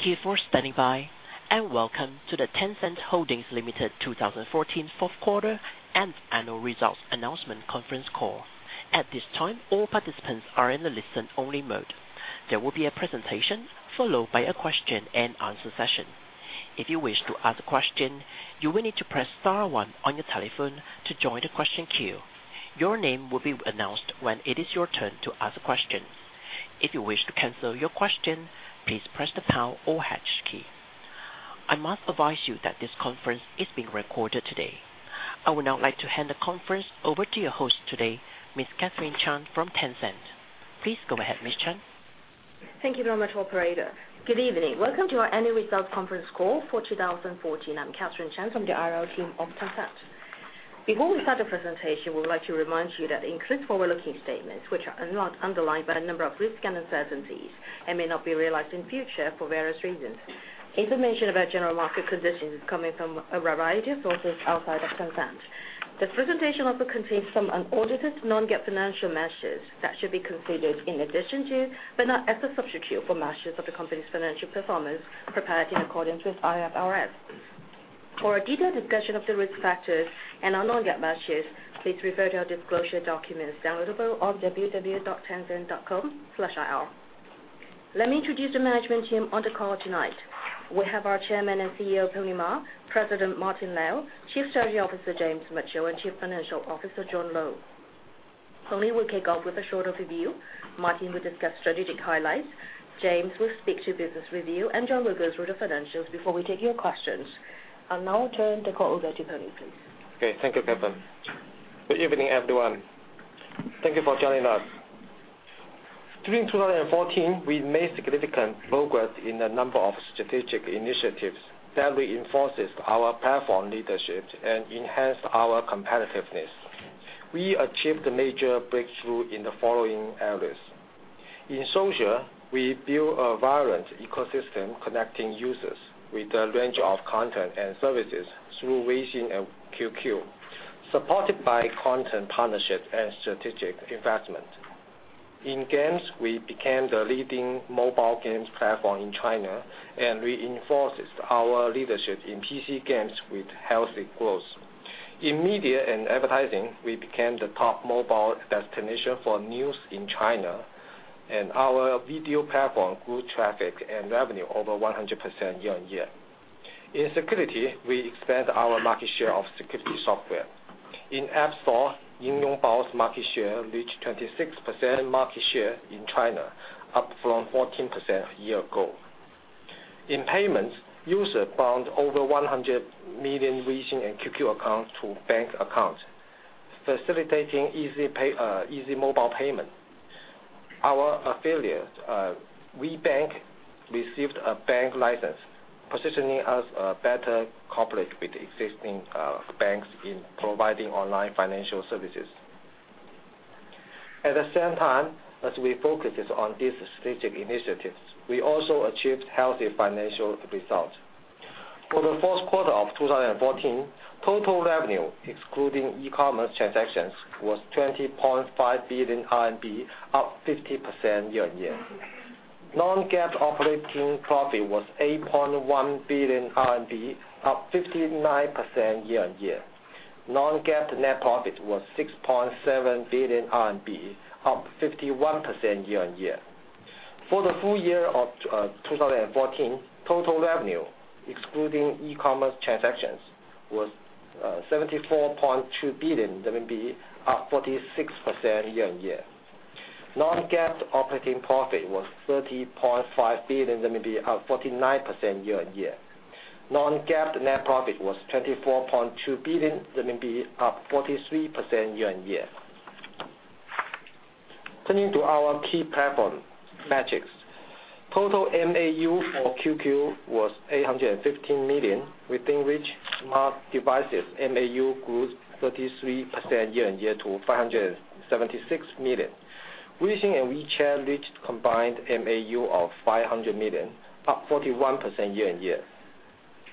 Thank you for standing by, and welcome to the Tencent Holdings Limited 2014 fourth quarter and annual results announcement conference call. At this time, all participants are in a listen-only mode. There will be a presentation followed by a question-and-answer session. If you wish to ask a question, you will need to press star one on your telephone to join the question queue. Your name will be announced when it is your turn to ask questions. If you wish to cancel your question, please press the pound or hash key. I must advise you that this conference is being recorded today. I would now like to hand the conference over to your host today, Ms. Catherine Chan from Tencent. Please go ahead, Ms. Chan. Thank you very much, operator. Good evening. Welcome to our annual results conference call for 2014. I'm Catherine Chan from the IR team of Tencent. Before we start the presentation, we would like to remind you that it includes forward-looking statements, which are underlined by a number of risks and uncertainties and may not be realized in future for various reasons. Information about general market conditions is coming from a variety of sources outside of Tencent. This presentation also contains some non-GAAP financial measures that should be considered in addition to, but not as a substitute for, measures of the company's financial performance prepared in accordance with IFRS. For a detailed discussion of the risk factors and our non-GAAP measures, please refer to our disclosure documents downloadable on www.tencent.com/ir. Let me introduce the management team on the call tonight. We have our Chairman and CEO, Pony Ma, President Martin Lau, Chief Strategy Officer James Mitchell, and Chief Financial Officer John Lo. Pony will kick off with a short overview, Martin will discuss strategic highlights, James will speak to business review, and John will go through the financials before we take your questions. I'll now turn the call over to Pony, please. Okay. Thank you, Catherine. Good evening, everyone. Thank you for joining us. During 2014, we made significant progress in a number of strategic initiatives that reinforces our platform leadership and enhance our competitiveness. We achieved a major breakthrough in the following areas. In social, we built a vibrant ecosystem connecting users with a range of content and services through Weixin and QQ, supported by content partnerships and strategic investments. In games, we became the leading mobile games platform in China and reinforced our leadership in PC games with healthy growth. In media and advertising, we became the top mobile destination for news in China, and our video platform grew traffic and revenue over 100% year-on-year. In security, we expanded our market share of security software. In app store, Yingyongbao's market share reached 26% market share in China, up from 14% a year ago. In payments, users bound over 100 million Weixin and QQ accounts to bank accounts, facilitating easy mobile payment. Our affiliate, WeBank, received a bank license, positioning us better cooperatively with existing banks in providing online financial services. At the same time as we focused on these strategic initiatives, we also achieved healthy financial results. For the fourth quarter of 2014, total revenue, excluding e-commerce transactions, was 20.5 billion RMB, up 50% year-over-year. Non-GAAP operating profit was 8.1 billion RMB, up 59% year-over-year. Non-GAAP net profit was 6.7 billion RMB, up 51% year-over-year. For the full year of 2014, total revenue, excluding e-commerce transactions, was 74.2 billion RMB, up 46% year-over-year. Non-GAAP operating profit was 30.5 billion, up 49% year-over-year. Non-GAAP net profit was 24.2 billion, up 43% year-over-year. Turning to our key platform metrics. Total MAU for QQ was 815 million, within which smart devices MAU grew 33% year-over-year to 576 million. Weixin and WeChat reached a combined MAU of 500 million, up 41% year-over-year.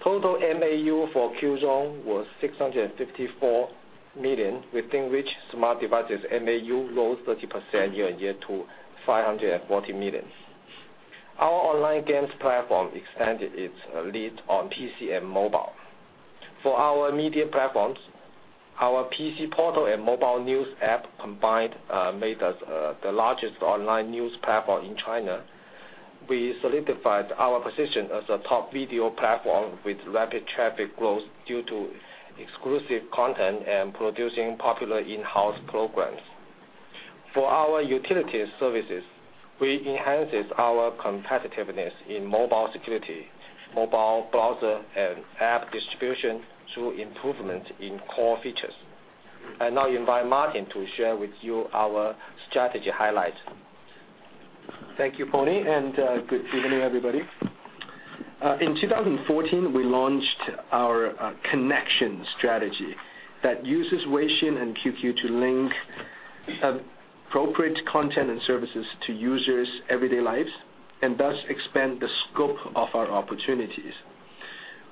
Total MAU for Qzone was 654 million, within which smart devices MAU rose 30% year-over-year to 540 million. Our online games platform extended its lead on PC and mobile. For our media platforms, our PC portal and mobile news app combined made us the largest online news platform in China. We solidified our position as a top video platform with rapid traffic growth due to exclusive content and producing popular in-house programs. For our utility services, we enhanced our competitiveness in mobile security, mobile browser, and app distribution through improvement in core features. I now invite Martin to share with you our strategy highlights. Thank you, Pony, and good evening, everybody. In 2014, we launched our connection strategy that uses Weixin and QQ to link appropriate content and services to users' everyday lives, and thus expand the scope of our opportunities.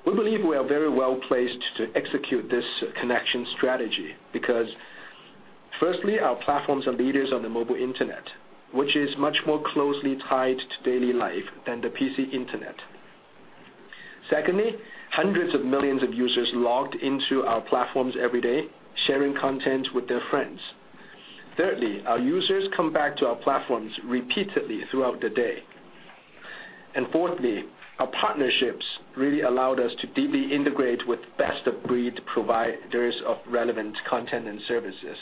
We believe we are very well-placed to execute this connection strategy because firstly, our platforms are leaders on the mobile internet, which is much more closely tied to daily life than the PC internet. Secondly, hundreds of millions of users logged into our platforms every day, sharing content with their friends. Thirdly, our users come back to our platforms repeatedly throughout the day. Fourthly, our partnerships really allowed us to deeply integrate with best-of-breed providers of relevant content and services.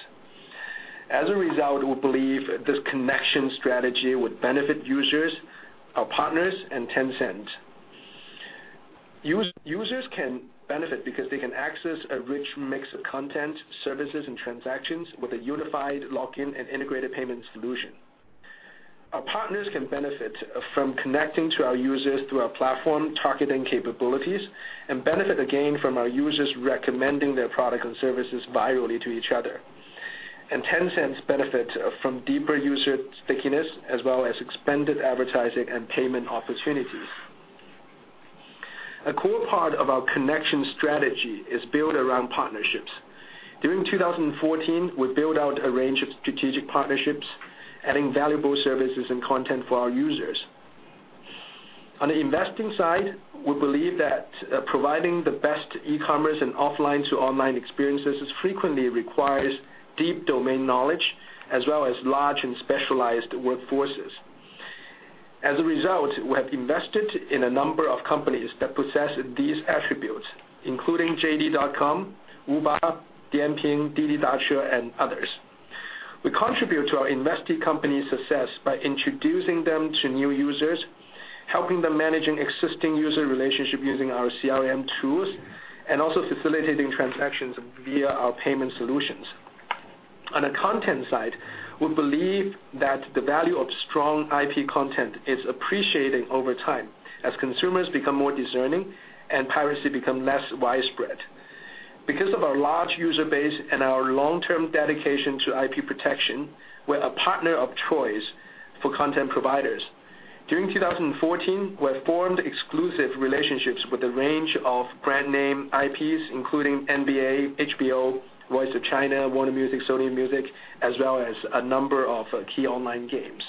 As a result, we believe this connection strategy would benefit users, our partners, and Tencent. Users can benefit because they can access a rich mix of content, services, and transactions with a unified login and integrated payment solution. Our partners can benefit from connecting to our users through our platform targeting capabilities and benefit again from our users recommending their products and services virally to each other. Tencent benefits from deeper user stickiness, as well as expanded advertising and payment opportunities. A core part of our connection strategy is built around partnerships. During 2014, we built out a range of strategic partnerships, adding valuable services and content for our users. On the investing side, we believe that providing the best e-commerce and offline-to-online experiences frequently requires deep domain knowledge as well as large and specialized workforces. As a result, we have invested in a number of companies that possess these attributes, including JD.com, Wuba, Dianping, Didi Dache, and others. We contribute to our investee companies' success by introducing them to new users, helping them managing existing user relationship using our CRM tools, and also facilitating transactions via our payment solutions. On the content side, we believe that the value of strong IP content is appreciating over time as consumers become more discerning and piracy become less widespread. Because of our large user base and our long-term dedication to IP protection, we are a partner of choice for content providers. During 2014, we have formed exclusive relationships with a range of brand name IPs including NBA, HBO, The Voice of China, Warner Music, Sony Music, as well as a number of key online games.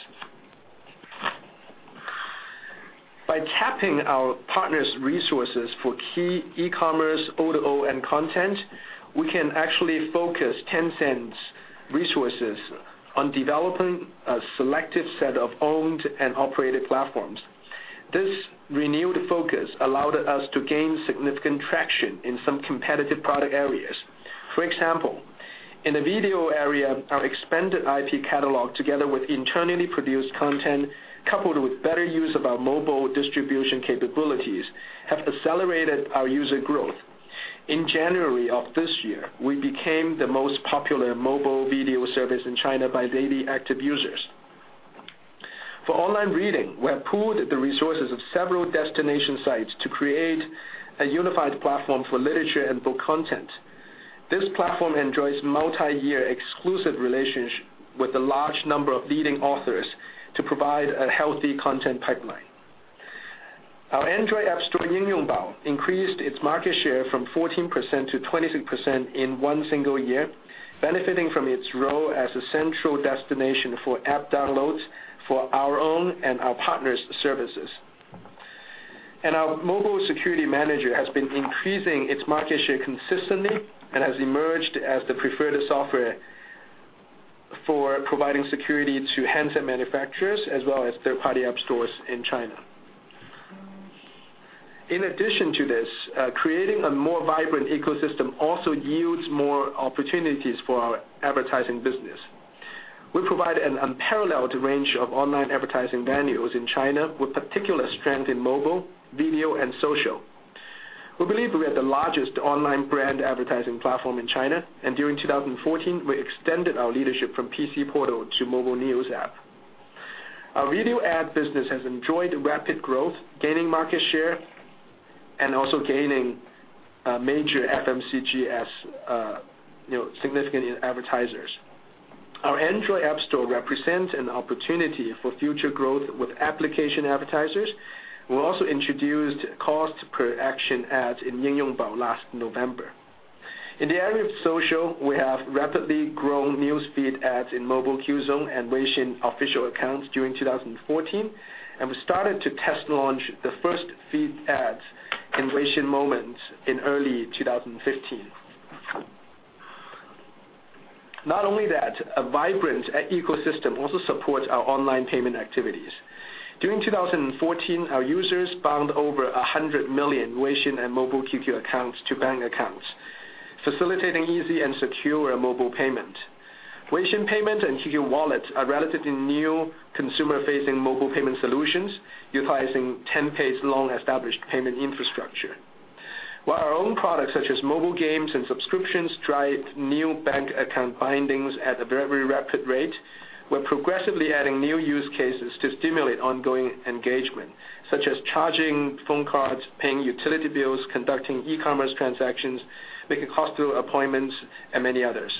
By tapping our partners' resources for key e-commerce, O2O, and content, we can actually focus Tencent's resources on developing a selected set of owned and operated platforms. This renewed focus allowed us to gain significant traction in some competitive product areas. For example, in the video area, our expanded IP catalog, together with internally produced content, coupled with better use of our mobile distribution capabilities, have accelerated our user growth. In January of this year, we became the most popular mobile video service in China by daily active users. For online reading, we have pooled the resources of several destination sites to create a unified platform for literature and book content. This platform enjoys multiyear exclusive relationship with a large number of leading authors to provide a healthy content pipeline. Our Android app store, Yingyongbao, increased its market share from 14%-26% in one single year, benefiting from its role as a central destination for app downloads for our own and our partners' services. Our mobile security manager has been increasing its market share consistently and has emerged as the preferred software for providing security to handset manufacturers as well as third-party app stores in China. In addition to this, creating a more vibrant ecosystem also yields more opportunities for our advertising business. We provide an unparalleled range of online advertising venues in China, with particular strength in mobile, video, and social. We believe we are the largest online brand advertising platform in China, and during 2014, we extended our leadership from PC portal to mobile news app. Our video ad business has enjoyed rapid growth, gaining market share, and also gaining major FMCG as significant advertisers. Our Android app store represents an opportunity for future growth with application advertisers. We also introduced cost per action ads in Yingyongbao last November. In the area of social, we have rapidly grown newsfeed ads in Mobile QQ Zone and WeChat official accounts during 2014. We started to test launch the first feed ads in WeChat Moments in early 2015. Not only that, a vibrant ecosystem also supports our online payment activities. During 2014, our users bound over 100 million WeChat and Mobile QQ accounts to bank accounts, facilitating easy and secure mobile payment. WeChat Pay and QQ Wallet are relatively new consumer-facing mobile payment solutions utilizing Tencent's long-established payment infrastructure. While our own products, such as mobile games and subscriptions, drive new bank account bindings at a very rapid rate, we are progressively adding new use cases to stimulate ongoing engagement, such as charging phone cards, paying utility bills, conducting e-commerce transactions, making hospital appointments, and many others.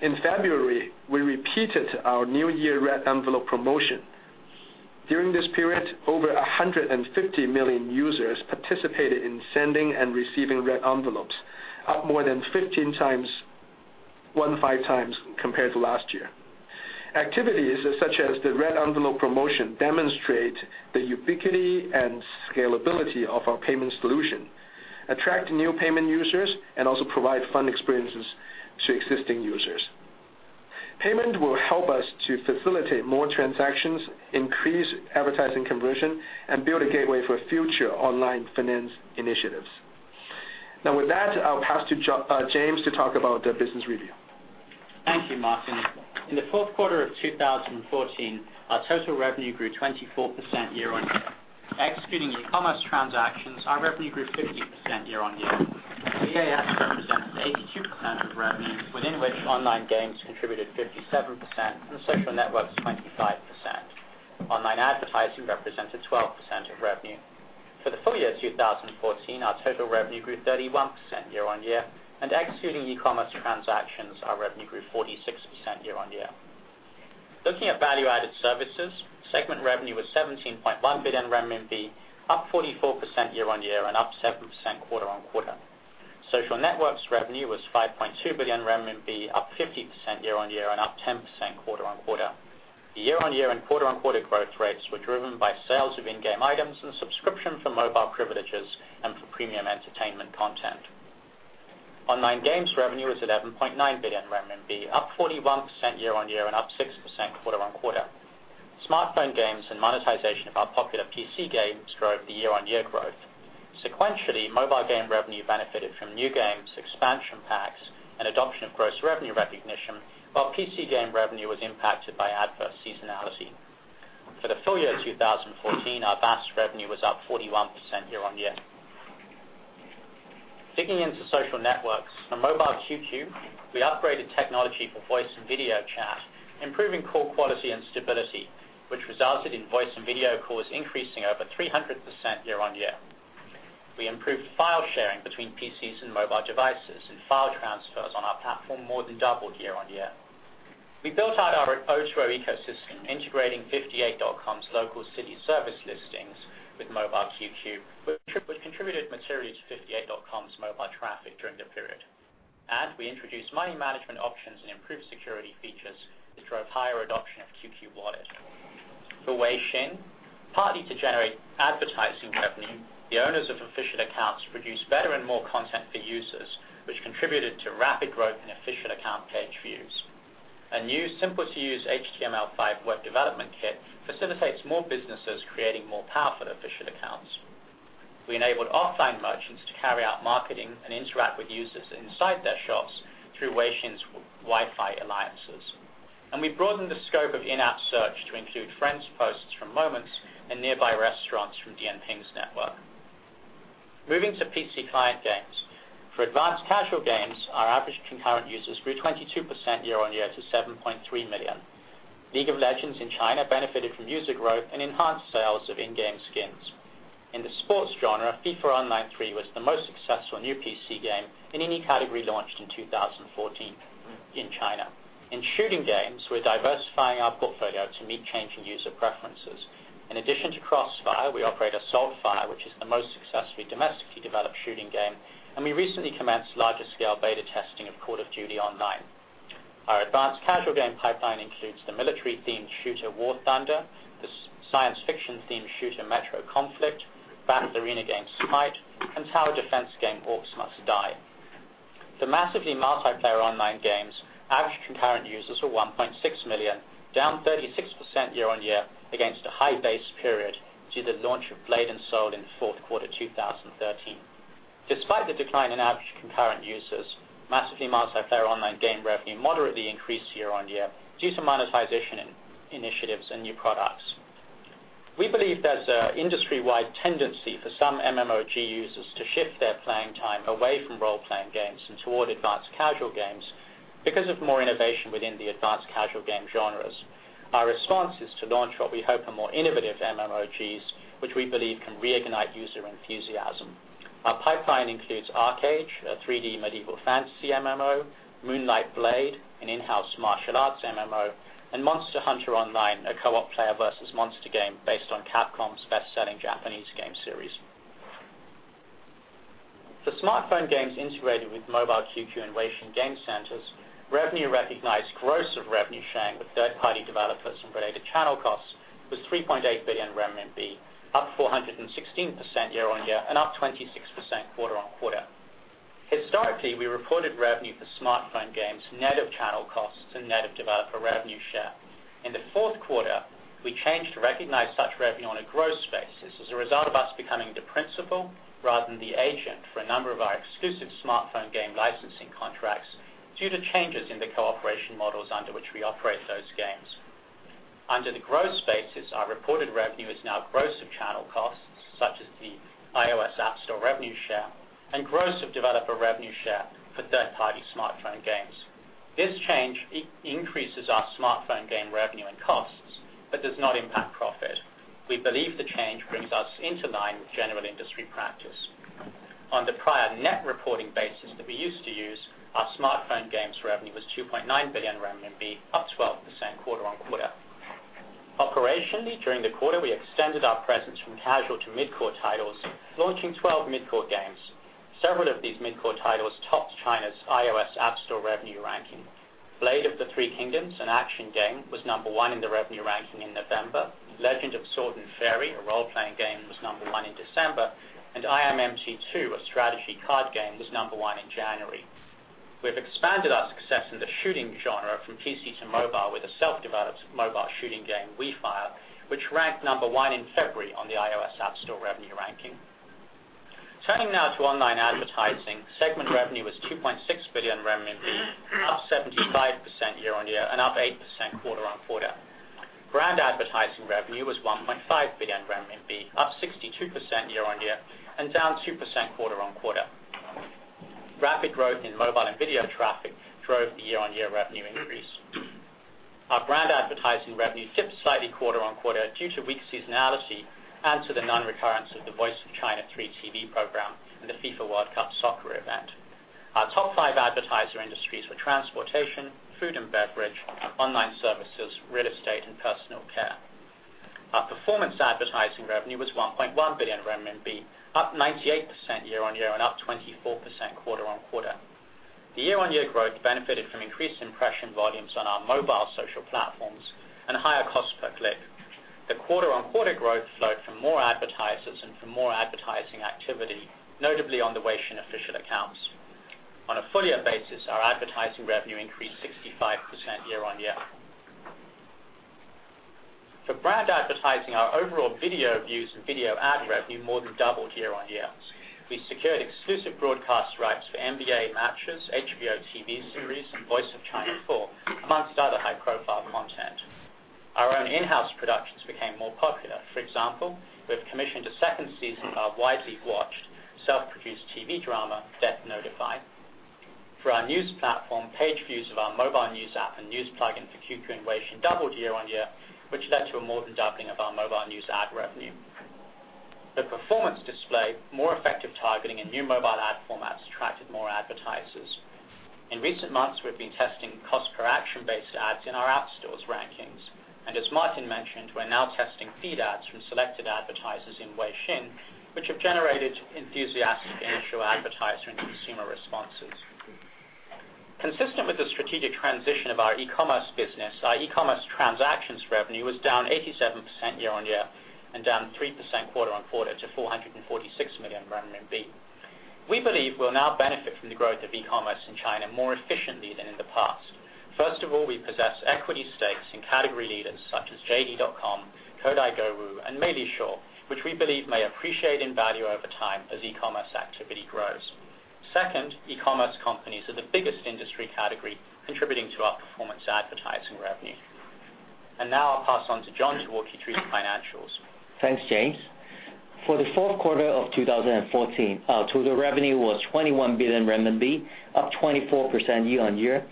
In February, we repeated our New Year red envelope promotion. During this period, over 150 million users participated in sending and receiving red envelopes, up more than 15 times compared to last year. Activities such as the red envelope promotion demonstrate the ubiquity and scalability of our payment solution, attract new payment users, and also provide fun experiences to existing users. Payment will help us to facilitate more transactions, increase advertising conversion, and build a gateway for future online finance initiatives. With that, I will pass to James to talk about the business review. Thank you, Martin. In the fourth quarter of 2014, our total revenue grew 24% year-on-year. Excluding e-commerce transactions, our revenue grew 50% year-on-year. VAS represented 82% of revenue, within which Online Games contributed 57% and Social Networks 25%. Online advertising represented 12% of revenue. For the full year 2014, our total revenue grew 31% year-on-year, and excluding e-commerce transactions, our revenue grew 46% year-on-year. Looking at Value-Added Services, segment revenue was 17.1 billion RMB, up 44% year-on-year and up 7% quarter-on-quarter. Social Networks revenue was 5.2 billion, up 50% year-on-year and up 10% quarter-on-quarter. The year-on-year and quarter-on-quarter growth rates were driven by sales of in-game items and subscription for mobile privileges and for premium entertainment content. Online Games revenue was 11.9 billion RMB, up 41% year-on-year and up 6% quarter-on-quarter. smartphone games and monetization of our popular PC games drove the year-on-year growth. Sequentially, mobile game revenue benefited from new games, expansion packs, and adoption of gross revenue recognition, while PC game revenue was impacted by adverse seasonality. For the full year 2014, our VAS revenue was up 41% year-on-year. Digging into Social Networks. For Mobile QQ, we upgraded technology for voice and video chat, improving call quality and stability, which resulted in voice and video calls increasing over 300% year-on-year. We improved file sharing between PCs and mobile devices, and file transfers on our platform more than doubled year-on-year. We built out our O2O ecosystem, integrating 58.com's local city service listings with Mobile QQ, which contributed materially to 58.com's mobile traffic during the period. We introduced money management options and improved security features which drove higher adoption of QQ Wallet. For Weixin, partly to generate advertising revenue, the owners of official accounts produced better and more content for users, which contributed to rapid growth in official account page views. A new, simpler-to-use HTML5 web development kit facilitates more businesses creating more powerful official accounts. We enabled offline merchants to carry out marketing and interact with users inside their shops through Weixin's Wi-Fi alliances. We broadened the scope of in-app search to include friends posts from Moments and nearby restaurants from Dianping's network. Moving to PC client games. For advanced casual games, our average concurrent users grew 22% year-on-year to 7.3 million. League of Legends in China benefited from user growth and enhanced sales of in-game skins. In the sports genre, FIFA Online 3 was the most successful new PC game in any category launched in 2014 in China. In shooting games, we're diversifying our portfolio to meet changing user preferences. In addition to CrossFire, we operate Assault Fire, which is the most successfully domestically developed shooting game, and we recently commenced larger scale beta testing of Call of Duty Online. Our advanced casual game pipeline includes the military-themed shooter, War Thunder, the science fiction themed shooter, Metro Conflict, battle arena game, Smite, and tower defense game, Orcs Must Die! The massively multiplayer online games average concurrent users were 1.6 million, down 36% year-on-year against a high base period due to the launch of Blade & Soul in fourth quarter 2013. Despite the decline in average concurrent users, massively multiplayer online game revenue moderately increased year-on-year due to monetization initiatives and new products. We believe there's an industry-wide tendency for some MMOG users to shift their playing time away from role-playing games and toward advanced casual games because of more innovation within the advanced casual game genres. Our response is to launch what we hope are more innovative MMOGs, which we believe can reignite user enthusiasm. Our pipeline includes ArcheAge, a 3D medieval fantasy MMO, Moonlight Blade, an in-house martial arts MMO, and Monster Hunter Online, a co-op player versus monster game based on Capcom's best-selling Japanese game series. For smartphone games integrated with Mobile QQ and Weixin game centers, revenue recognized gross of revenue sharing with third-party developers and related channel costs was 3.8 billion renminbi, up 416% year-on-year and up 26% quarter-on-quarter. Historically, we reported revenue for smartphone games net of channel costs and net of developer revenue share. In the fourth quarter, we changed to recognize such revenue on a gross basis as a result of us becoming the principal rather than the agent for a number of our exclusive smartphone game licensing contracts due to changes in the cooperation models under which we operate those games. Under the gross basis, our reported revenue is now gross of channel costs, such as the iOS App Store revenue share, and gross of developer revenue share for third-party smartphone games. This change increases our smartphone game revenue and costs but does not impact profit. We believe the change brings us into line with general industry practice. On the prior net reporting basis that we used to use, our smartphone games revenue was 2.9 billion RMB, up 12% quarter-on-quarter. Operationally, during the quarter, we extended our presence from casual to mid-core titles, launching 12 mid-core games. Several of these mid-core titles topped China's iOS App Store revenue ranking. "The Blade of The Three Kingdoms," an action game, was number one in the revenue ranking in November. "The Legend of Sword and Fairy," a role-playing game, was number one in December, and I am MT 2 a strategy card game, was number one in January. We have expanded our success in the shooting genre from PC to mobile with a self-developed mobile shooting game, "WeFire," which ranked number one in February on the iOS App Store revenue ranking. Turning now to online advertising, segment revenue was 2.6 billion RMB, up 75% year-on-year and up 8% quarter-on-quarter. Brand advertising revenue was 1.5 billion RMB, up 62% year-on-year and down 2% quarter-on-quarter. Rapid growth in mobile and video traffic drove the year-on-year revenue increase. Our brand advertising revenue dipped slightly quarter-on-quarter due to weak seasonality and to the non-recurrence of "The Voice of China Season 3" TV program and the FIFA World Cup soccer event. Our top five advertiser industries were transportation, food and beverage, online services, real estate, and personal care. Our performance advertising revenue was 1.1 billion RMB, up 98% year-on-year and up 24% quarter-on-quarter. The year-on-year growth benefited from increased impression volumes on our mobile social platforms and higher cost per click. The quarter-on-quarter growth flowed from more advertisers and from more advertising activity, notably on the Weixin official accounts. On a full year basis, our advertising revenue increased 65% year-on-year. For brand advertising, our overall video views and video ad revenue more than doubled year-on-year. We secured exclusive broadcast rights for NBA matches, HBO TV series, and "The Voice of China Season 4," amongst other high-profile content. Our own in-house productions became more popular. For example, we have commissioned a second season of our widely watched self-produced TV drama, "The Death Notice." For our news platform, page views of our mobile news app and news plugin for QQ and Weixin doubled year-on-year, which led to a more than doubling of our mobile news ad revenue. The performance display, more effective targeting, and new mobile ad formats attracted more advertisers. In recent months, we've been testing cost per action-based ads in our App Store rankings. As Martin mentioned, we're now testing feed ads from selected advertisers in Weixin, which have generated enthusiastic initial advertiser and consumer responses. Consistent with the strategic transition of our e-commerce business, our e-commerce transactions revenue was down 87% year-on-year and down 3% quarter-on-quarter to 446 million RMB. We believe we'll now benefit from the growth of e-commerce in China more efficiently than in the past. First of all, we possess equity stakes in category leaders such as JD.com, Koudai Gouwu, and Meilishuo, which we believe may appreciate in value over time as e-commerce activity grows. Second, e-commerce companies are the biggest industry category contributing to our performance advertising revenue. Now I'll pass on to John to walk you through the financials. Thanks, James. For the fourth quarter of 2014, our total revenue was 21 billion renminbi, up 24% year-on-year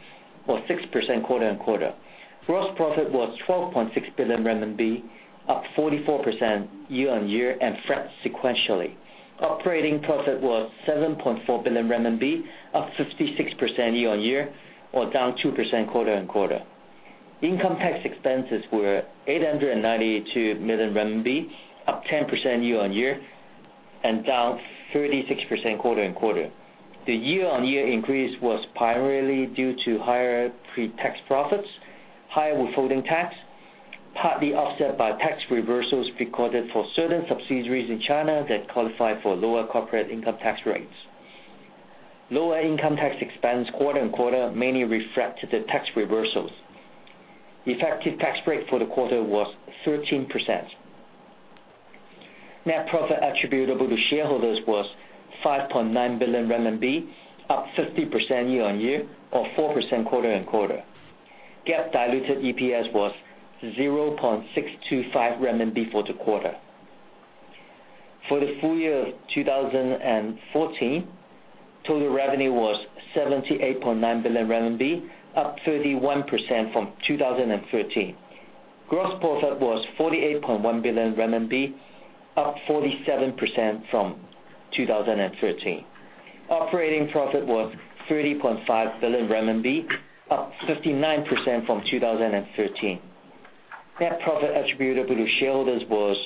or 6% quarter-on-quarter. Gross profit was 12.6 billion RMB, up 44% year-on-year and flat sequentially. Operating profit was 7.4 billion RMB, up 56% year-on-year or down 2% quarter-on-quarter. Income tax expenses were 892 million RMB, up 10% year-on-year and down 36% quarter-on-quarter. The year-on-year increase was primarily due to higher pre-tax profits, higher withholding tax, partly offset by tax reversals recorded for certain subsidiaries in China that qualify for lower corporate income tax rates. Lower income tax expense quarter-on-quarter mainly reflect the tax reversals. Effective tax rate for the quarter was 13%. Net profit attributable to shareholders was 5.9 billion RMB, up 50% year-on-year or 4% quarter-on-quarter. GAAP diluted EPS was 0.625 renminbi for the quarter. For the full year of 2014, total revenue was 78.9 billion RMB, up 31% from 2013. Gross profit was 48.1 billion RMB, up 47% from 2013. Operating profit was 30.5 billion RMB, up 59% from 2013. Net profit attributable to shareholders was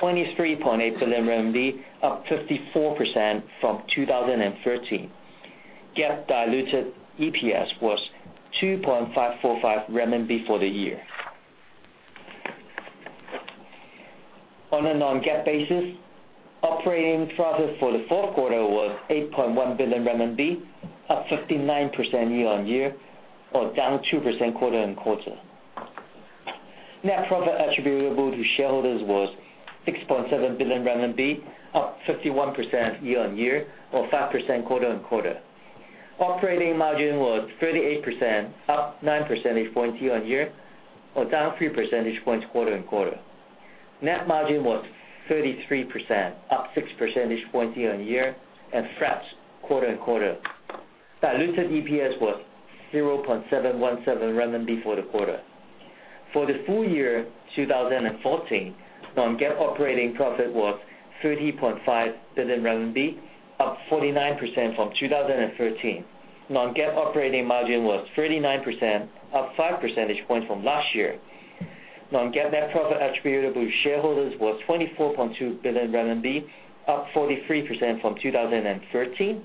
23.8 billion RMB, up 54% from 2013. GAAP diluted EPS was 2.545 renminbi for the year. On a non-GAAP basis, operating profit for the fourth quarter was 8.1 billion RMB, up 59% year-on-year or down 2% quarter-on-quarter. Net profit attributable to shareholders was 6.7 billion RMB, up 51% year-on-year or 5% quarter-on-quarter. Operating margin was 38%, up 9 percentage points year-on-year, or down 3 percentage points quarter-on-quarter. Net margin was 33%, up 6 percentage points year-on-year and flat quarter-on-quarter. Diluted EPS was 0.717 renminbi for the quarter. For the full year 2014, non-GAAP operating profit was 30.5 billion RMB, up 49% from 2013. Non-GAAP operating margin was 39%, up 5 percentage points from last year. Non-GAAP net profit attributable to shareholders was 24.2 billion RMB, up 43% from 2013.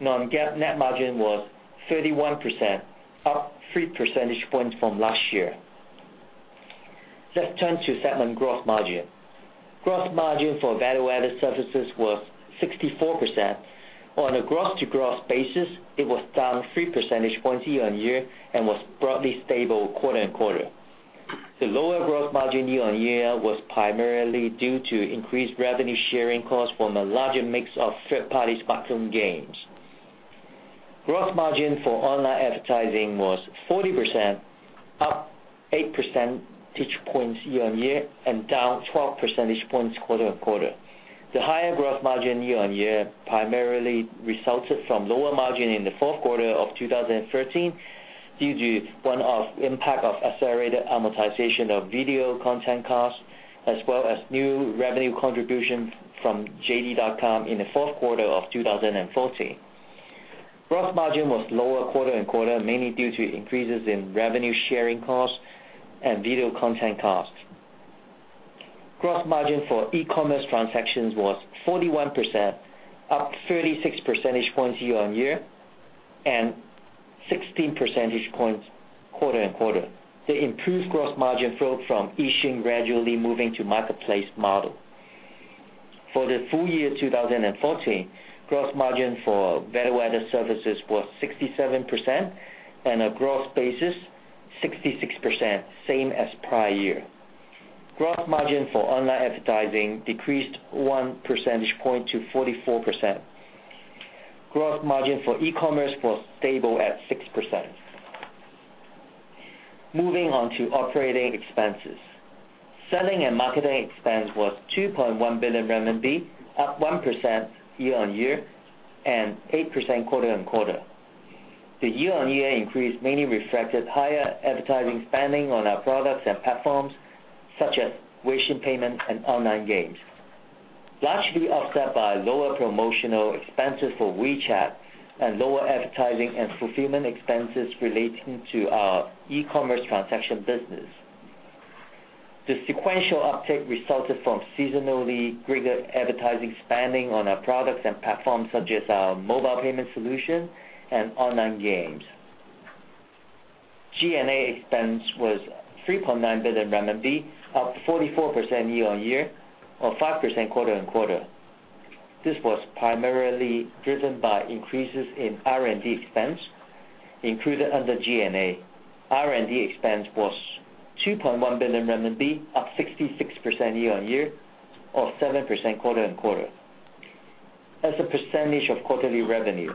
Non-GAAP net margin was 31%, up 3 percentage points from last year. Let's turn to segment gross margin. Gross margin for value-added services was 64%. On a gross-to-gross basis, it was down 3 percentage points year-on-year and was broadly stable quarter-on-quarter. The lower gross margin year-on-year was primarily due to increased revenue-sharing costs from a larger mix of third-party smartphone games. Gross margin for online advertising was 40%, up 8 percentage points year-on-year and down 12 percentage points quarter-on-quarter. The higher gross margin year-on-year primarily resulted from lower margin in the fourth quarter of 2013 due to one-off impact of accelerated amortization of video content costs, as well as new revenue contribution from JD.com in the fourth quarter of 2014. Gross margin was lower quarter-on-quarter, mainly due to increases in revenue-sharing costs and video content costs. Gross margin for e-commerce transactions was 41%, up 36 percentage points year-on-year and 16 percentage points quarter-on-quarter. The improved gross margin flowed from Yixun gradually moving to marketplace model. For the full year 2014, gross margin for value-added services was 67%, and on a gross basis 66%, same as prior year. Gross margin for online advertising decreased 1 percentage point to 44%. Gross margin for e-commerce was stable at 6%. Moving on to operating expenses. Selling and marketing expense was 2.1 billion RMB, up 1% year-on-year and 8% quarter-on-quarter. The year-on-year increase mainly reflected higher advertising spending on our products and platforms such as Weixin Pay and online games, largely offset by lower promotional expenses for WeChat and lower advertising and fulfillment expenses relating to our e-commerce transaction business. The sequential uptake resulted from seasonally greater advertising spending on our products and platforms, such as our mobile payment solution and online games. G&A expense was 3.9 billion RMB, up 44% year-on-year, or 5% quarter-on-quarter. This was primarily driven by increases in R&D expense included under G&A. R&D expense was 2.1 billion RMB, up 66% year-on-year, or 7% quarter-on-quarter. As a percentage of quarterly revenue,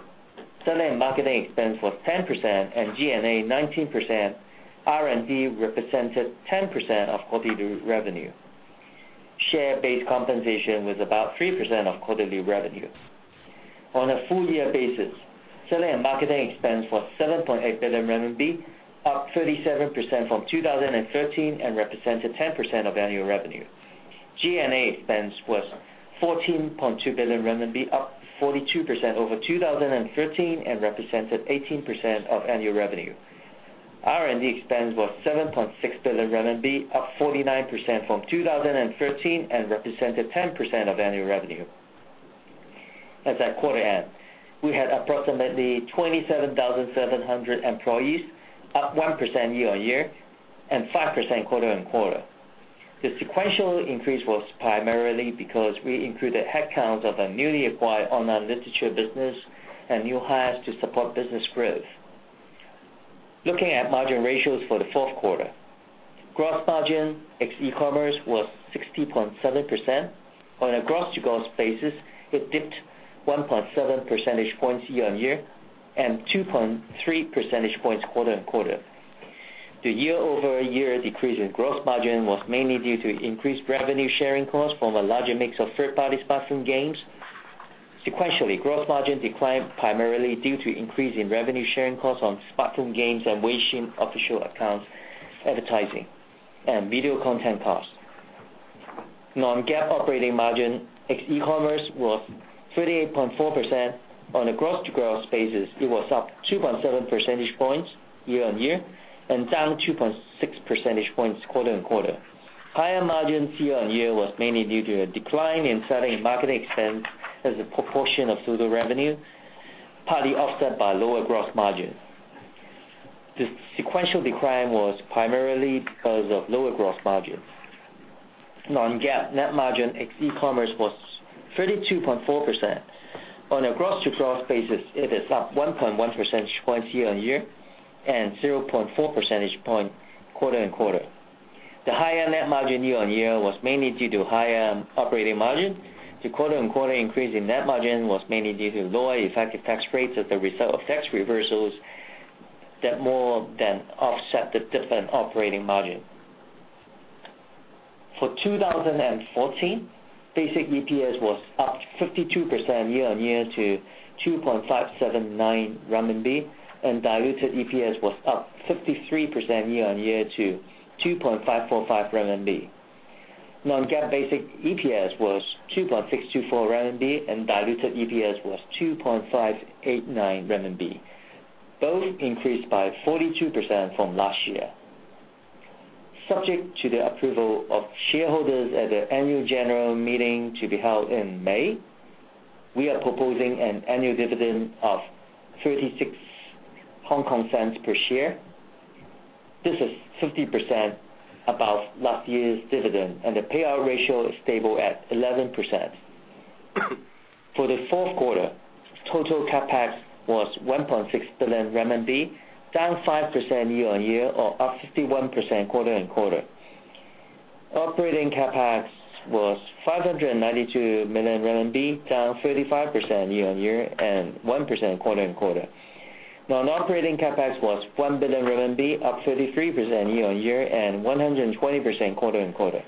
selling and marketing expense was 10% and G&A 19%. R&D represented 10% of quarterly revenue. Share-based compensation was about 3% of quarterly revenue. On a full year basis, selling and marketing expense was 7.8 billion RMB, up 37% from 2013 and represented 10% of annual revenue. G&A expense was 14.2 billion renminbi, up 42% over 2013 and represented 18% of annual revenue. R&D expense was 7.6 billion RMB, up 49% from 2013 and represented 10% of annual revenue. As at quarter end, we had approximately 27,700 employees, up 1% year-on-year and 5% quarter-on-quarter. The sequential increase was primarily because we included headcount of the newly acquired online literature business and new hires to support business growth. Looking at margin ratios for the fourth quarter. Gross margin ex e-commerce was 60.7%. On a gross-to-gross basis, it dipped 1.7 percentage points year-on-year and 2.3 percentage points quarter-on-quarter. The year-over-year decrease in gross margin was mainly due to increased revenue-sharing costs from a larger mix of third-party smartphone games. Sequentially, gross margin declined primarily due to increase in revenue-sharing costs on smartphone games and Weixin official accounts advertising and video content costs. Non-GAAP operating margin ex e-commerce was 38.4%. On a gross-to-gross basis, it was up 2.7 percentage points year-on-year and down 2.6 percentage points quarter-on-quarter. Higher margins year-on-year was mainly due to a decline in selling and marketing expense as a proportion of total revenue, partly offset by lower gross margin. The sequential decline was primarily because of lower gross margin. Non-GAAP net margin ex e-commerce was 32.4%. On a gross-to-gross basis, it is up 1.1 percentage points year-on-year and 0.4 percentage point quarter-on-quarter. The higher net margin year-on-year was mainly due to higher operating margin. The quarter-on-quarter increase in net margin was mainly due to lower effective tax rates as a result of tax reversals that more than offset the different operating margin. For 2014, basic EPS was up 52% year-on-year to 2.579 renminbi, and diluted EPS was up 53% year-on-year to 2.545 renminbi. Non-GAAP basic EPS was 2.624 renminbi, and diluted EPS was 2.589 renminbi. Both increased by 42% from last year. Subject to the approval of shareholders at the annual general meeting to be held in May, we are proposing an annual dividend of 0.36 per share. This is 50% above last year's dividend, and the payout ratio is stable at 11%. For the fourth quarter, total CapEx was 1.6 billion RMB, down 5% year-on-year or up 51% quarter-on-quarter. Operating CapEx was 592 million RMB, down 35% year-on-year and 1% quarter-on-quarter. Non-operating CapEx was 1 billion RMB, up 33% year-on-year and 120% quarter-on-quarter.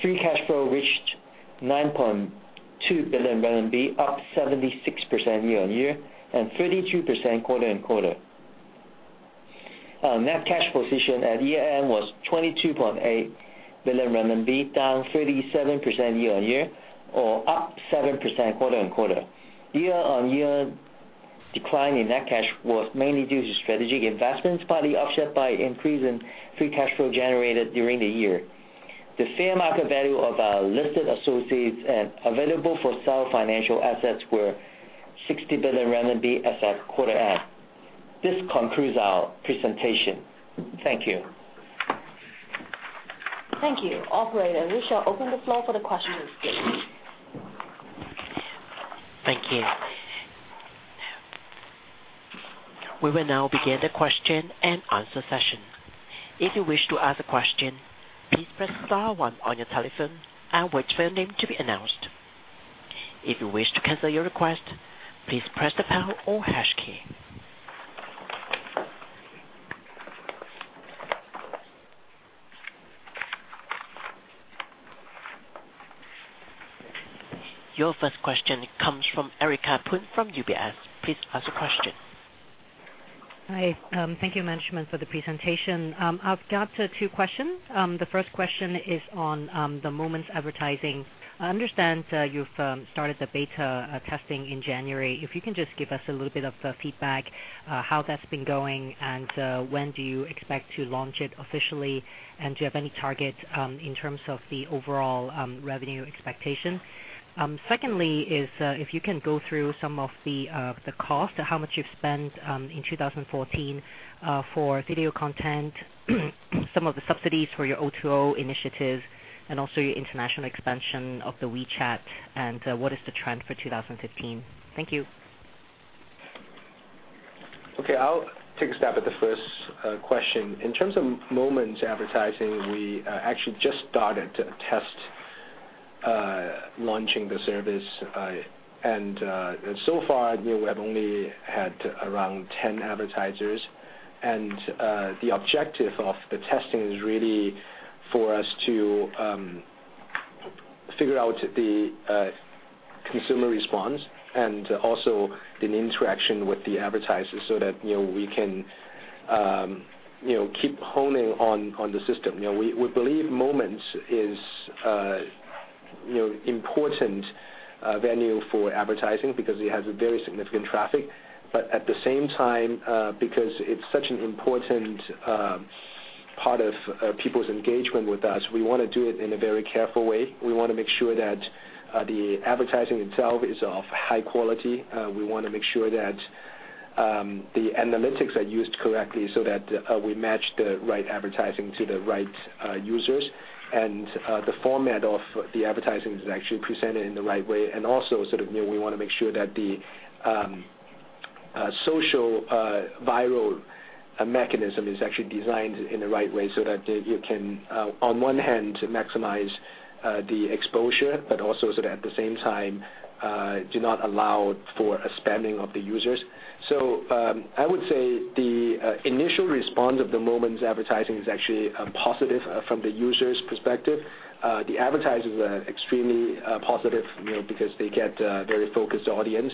Free cash flow reached 9.2 billion RMB, up 76% year-on-year and 32% quarter-on-quarter. Our net cash position at year-end was 22.8 billion RMB, down 37% year-over-year or up 7% quarter-over-quarter. Year-over-year decline in net cash was mainly due to strategic investments, partly offset by increase in free cash flow generated during the year. The fair market value of our listed associates and available-for-sale financial assets were 60 billion RMB as at quarter-end. This concludes our presentation. Thank you. Thank you. Operator, we shall open the floor for the questions. Thank you. We will now begin the question-and-answer session. If you wish to ask a question, please press star one on your telephone and wait for your name to be announced. If you wish to cancel your request, please press the pound or hash key. Your first question comes from Erica Poon from UBS. Please ask your question. Hi. Thank you, management, for the presentation. I've got two questions. The first question is on the Moments advertising. I understand you've started the beta testing in January. If you can just give us a little bit of feedback, how that's been going and when do you expect to launch it officially, and do you have any targets in terms of the overall revenue expectation? Secondly is, if you can go through some of the cost, how much you've spent in 2014 for video content, some of the subsidies for your O2O initiatives, and also your international expansion of the WeChat, and what is the trend for 2015? Thank you. Okay. I will take a stab at the first question. In terms of Moments advertising, we actually just started to test launching the service. So far, we have only had around 10 advertisers. The objective of the testing is really for us to figure out the consumer response and also an interaction with the advertisers so that we can keep honing on the system. We believe Moments is important venue for advertising because it has a very significant traffic. At the same time, because it is such an important part of people's engagement with us, we want to do it in a very careful way. We want to make sure that the advertising itself is of high quality. We want to make sure that the analytics are used correctly so that we match the right advertising to the right users, and the format of the advertising is actually presented in the right way. Also, we want to make sure that the social viral mechanism is actually designed in the right way so that you can, on one hand, maximize the exposure, but also at the same time, do not allow for a spamming of the users. I would say the initial response of the Moments advertising is actually positive from the user's perspective. The advertisers are extremely positive because they get a very focused audience.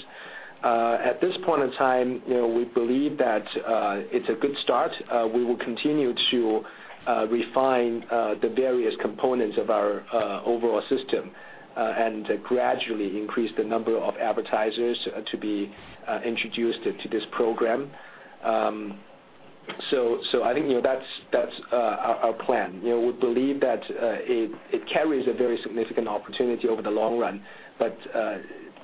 At this point in time, we believe that it is a good start. We will continue to refine the various components of our overall system, and gradually increase the number of advertisers to be introduced to this program. I think that is our plan. We believe that it carries a very significant opportunity over the long run.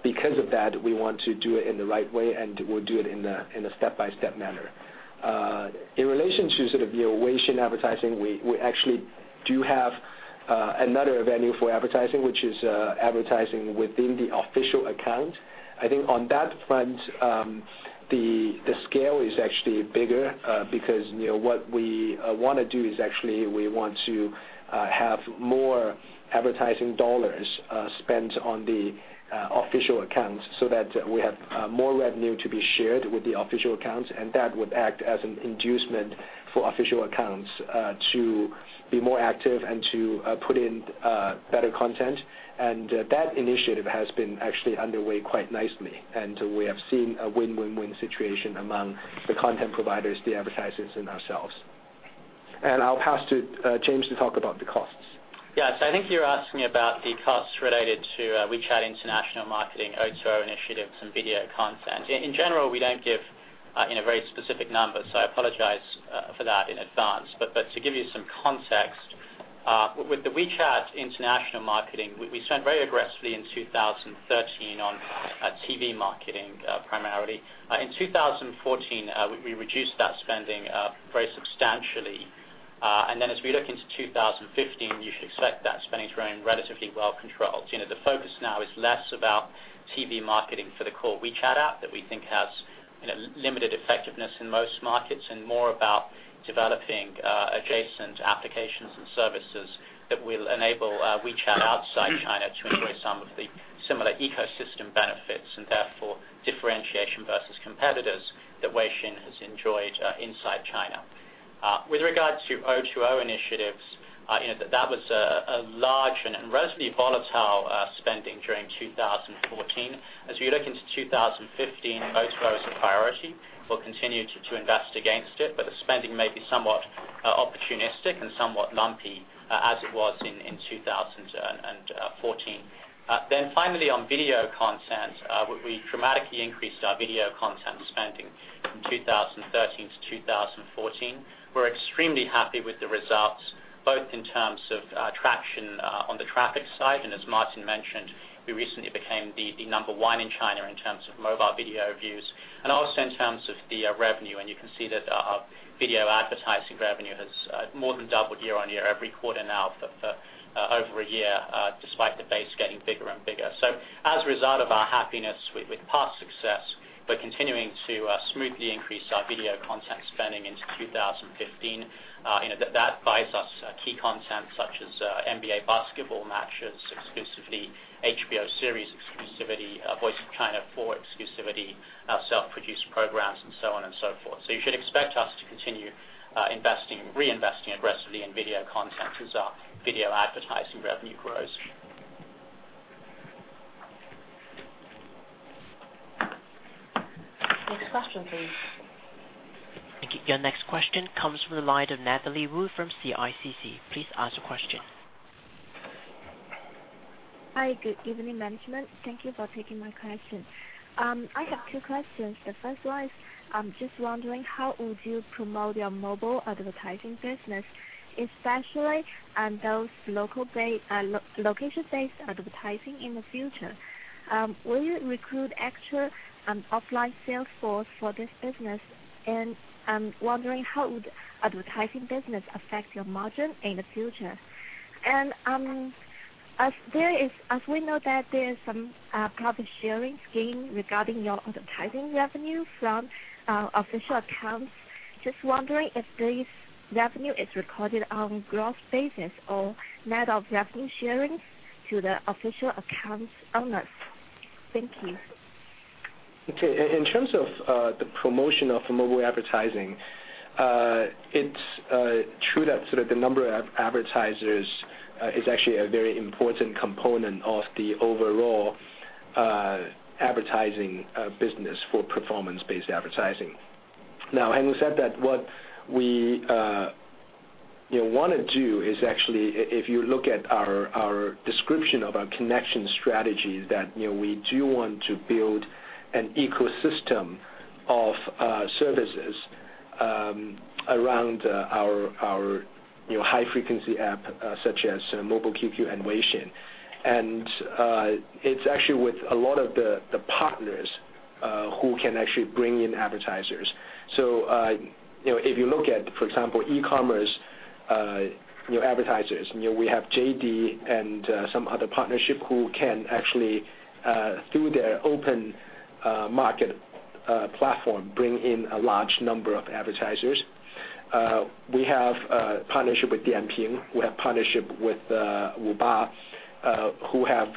Because of that, we want to do it in the right way, and we will do it in a step-by-step manner. In relation to the Weixin advertising, we actually do have another venue for advertising, which is advertising within the official account. I think on that front, the scale is actually bigger because what we want to do is actually we want to have more advertising dollars spent on the official accounts so that we have more revenue to be shared with the official accounts, and that would act as an inducement for official accounts to be more active and to put in better content. That initiative has been actually underway quite nicely, and we have seen a win-win-win situation among the content providers, the advertisers, and ourselves. I will pass to James to talk about the costs. Yes. I think you're asking about the costs related to WeChat international marketing, O2O initiatives, and video content. In general, we don't give very specific numbers, so I apologize for that in advance. To give you some context, with the WeChat international marketing, we spent very aggressively in 2013 on TV marketing, primarily. In 2014, we reduced that spending very substantially. As we look into 2015, you should expect that spending to remain relatively well controlled. The focus now is less about TV marketing for the core WeChat app, that we think has limited effectiveness in most markets, and more about developing adjacent applications and services that will enable WeChat outside China to enjoy some of the similar ecosystem benefits, and therefore differentiation versus competitors that Weixin has enjoyed inside China. With regards to O2O initiatives, that was a large and relatively volatile spending during 2014. As we look into 2015, O2O is a priority. We'll continue to invest against it, but the spending may be somewhat opportunistic and somewhat lumpy, as it was in 2014. Finally, on video content, we dramatically increased our video content spending from 2013 to 2014. We're extremely happy with the results, both in terms of traction on the traffic side, and as Martin mentioned, we recently became the number 1 in China in terms of mobile video views, and also in terms of the revenue. You can see that our video advertising revenue has more than doubled year-over-year, every quarter now for over a year, despite the base getting bigger and bigger. As a result of our happiness with past success, we're continuing to smoothly increase our video content spending into 2015. That buys us key content such as NBA basketball matches exclusively, HBO series exclusivity, Voice of China 4 exclusivity, our self-produced programs, and so on and so forth. You should expect us to continue reinvesting aggressively in video content as our video advertising revenue grows. Next question please. Thank you. Your next question comes from the line of Natalie Wu from CICC. Please ask your question. Hi, good evening, management. Thank you for taking my question. I have two questions. The first one is, just wondering, how would you promote your mobile advertising business, especially on those location-based advertising in the future? Will you recruit extra offline sales force for this business? I'm wondering, how would advertising business affect your margin in the future? As we know that there is some profit-sharing scheme regarding your advertising revenue from official accounts, just wondering if this revenue is recorded on gross basis or net of revenue sharing to the official accounts owners. Thank you. Okay. In terms of the promotion of mobile advertising, it's true that the number of advertisers is actually a very important component of the overall advertising business for performance-based advertising. Now, having said that, what we want to do is actually, if you look at our description of our connection strategy, that we do want to build an ecosystem of services around our high-frequency app, such as Mobile QQ and Weixin. It's actually with a lot of the partners who can actually bring in advertisers. If you look at, for example, e-commerce advertisers, we have JD and some other partnership who can actually, through their open market platform, bring in a large number of advertisers. We have a partnership with Dianping. We have partnership with Wuba, who have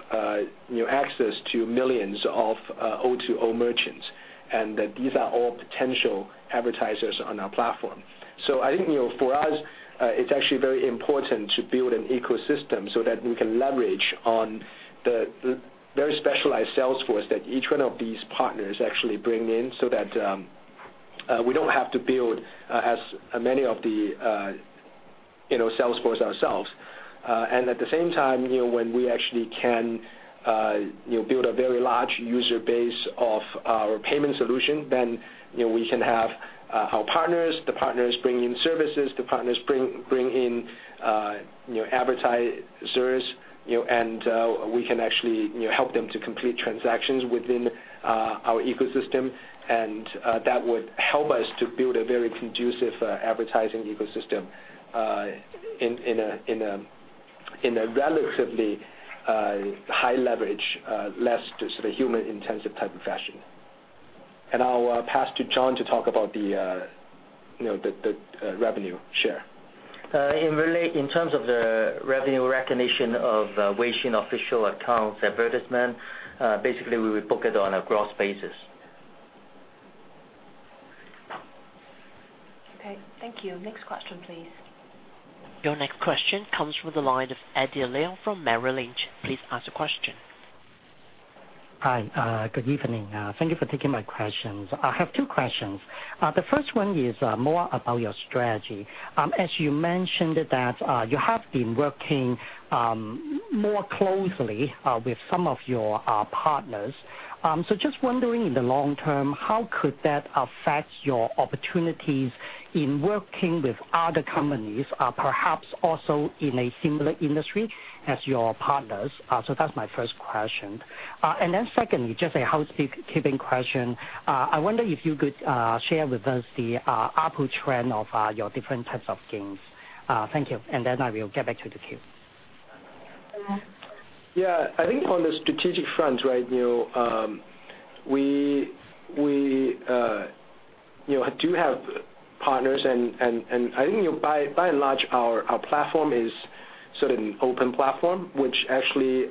access to millions of O2O merchants, and these are all potential advertisers on our platform. I think for us, it's actually very important to build an ecosystem so that we can leverage on the very specialized sales force that each one of these partners actually bring in, so that we don't have to build as many of the sales force ourselves. At the same time, when we actually can build a very large user base of our payment solution, then we can have our partners. The partners bring in services, the partners bring in advertisers, and we can actually help them to complete transactions within our ecosystem. That would help us to build a very conducive advertising ecosystem in a relatively high leverage, less human-intensive type of fashion. I'll pass to John to talk about the revenue share. In terms of the revenue recognition of Weixin official accounts advertisement, basically we would book it on a gross basis. Okay. Thank you. Next question, please. Your next question comes from the line of Eddie Leung from Merrill Lynch. Please ask your question. Hi. Good evening. Thank you for taking my questions. I have two questions. The first one is more about your strategy. As you mentioned, you have been working more closely with some of your partners. Just wondering, in the long term, how could that affect your opportunities in working with other companies, perhaps also in a similar industry as your partners? That's my first question. Secondly, just a housekeeping question. I wonder if you could share with us the ARPU trend of your different types of games. Thank you. I will get back to the queue. I think on the strategic front, we do have partners, I think by and large, our platform is an open platform, which actually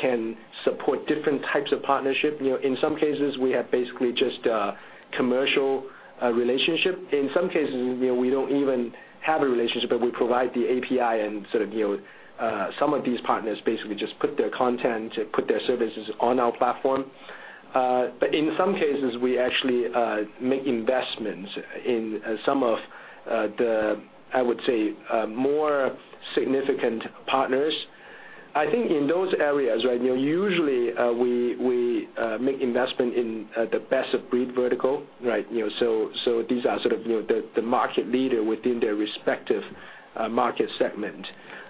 can support different types of partnership. In some cases, we have basically just a commercial relationship. In some cases, we don't even have a relationship, but we provide the API and some of these partners basically just put their content, put their services on our platform. In some cases, we actually make investments in some of the, I would say, more significant partners. I think in those areas, usually, we make investment in the best-of-breed vertical. These are the market leader within their respective market segment.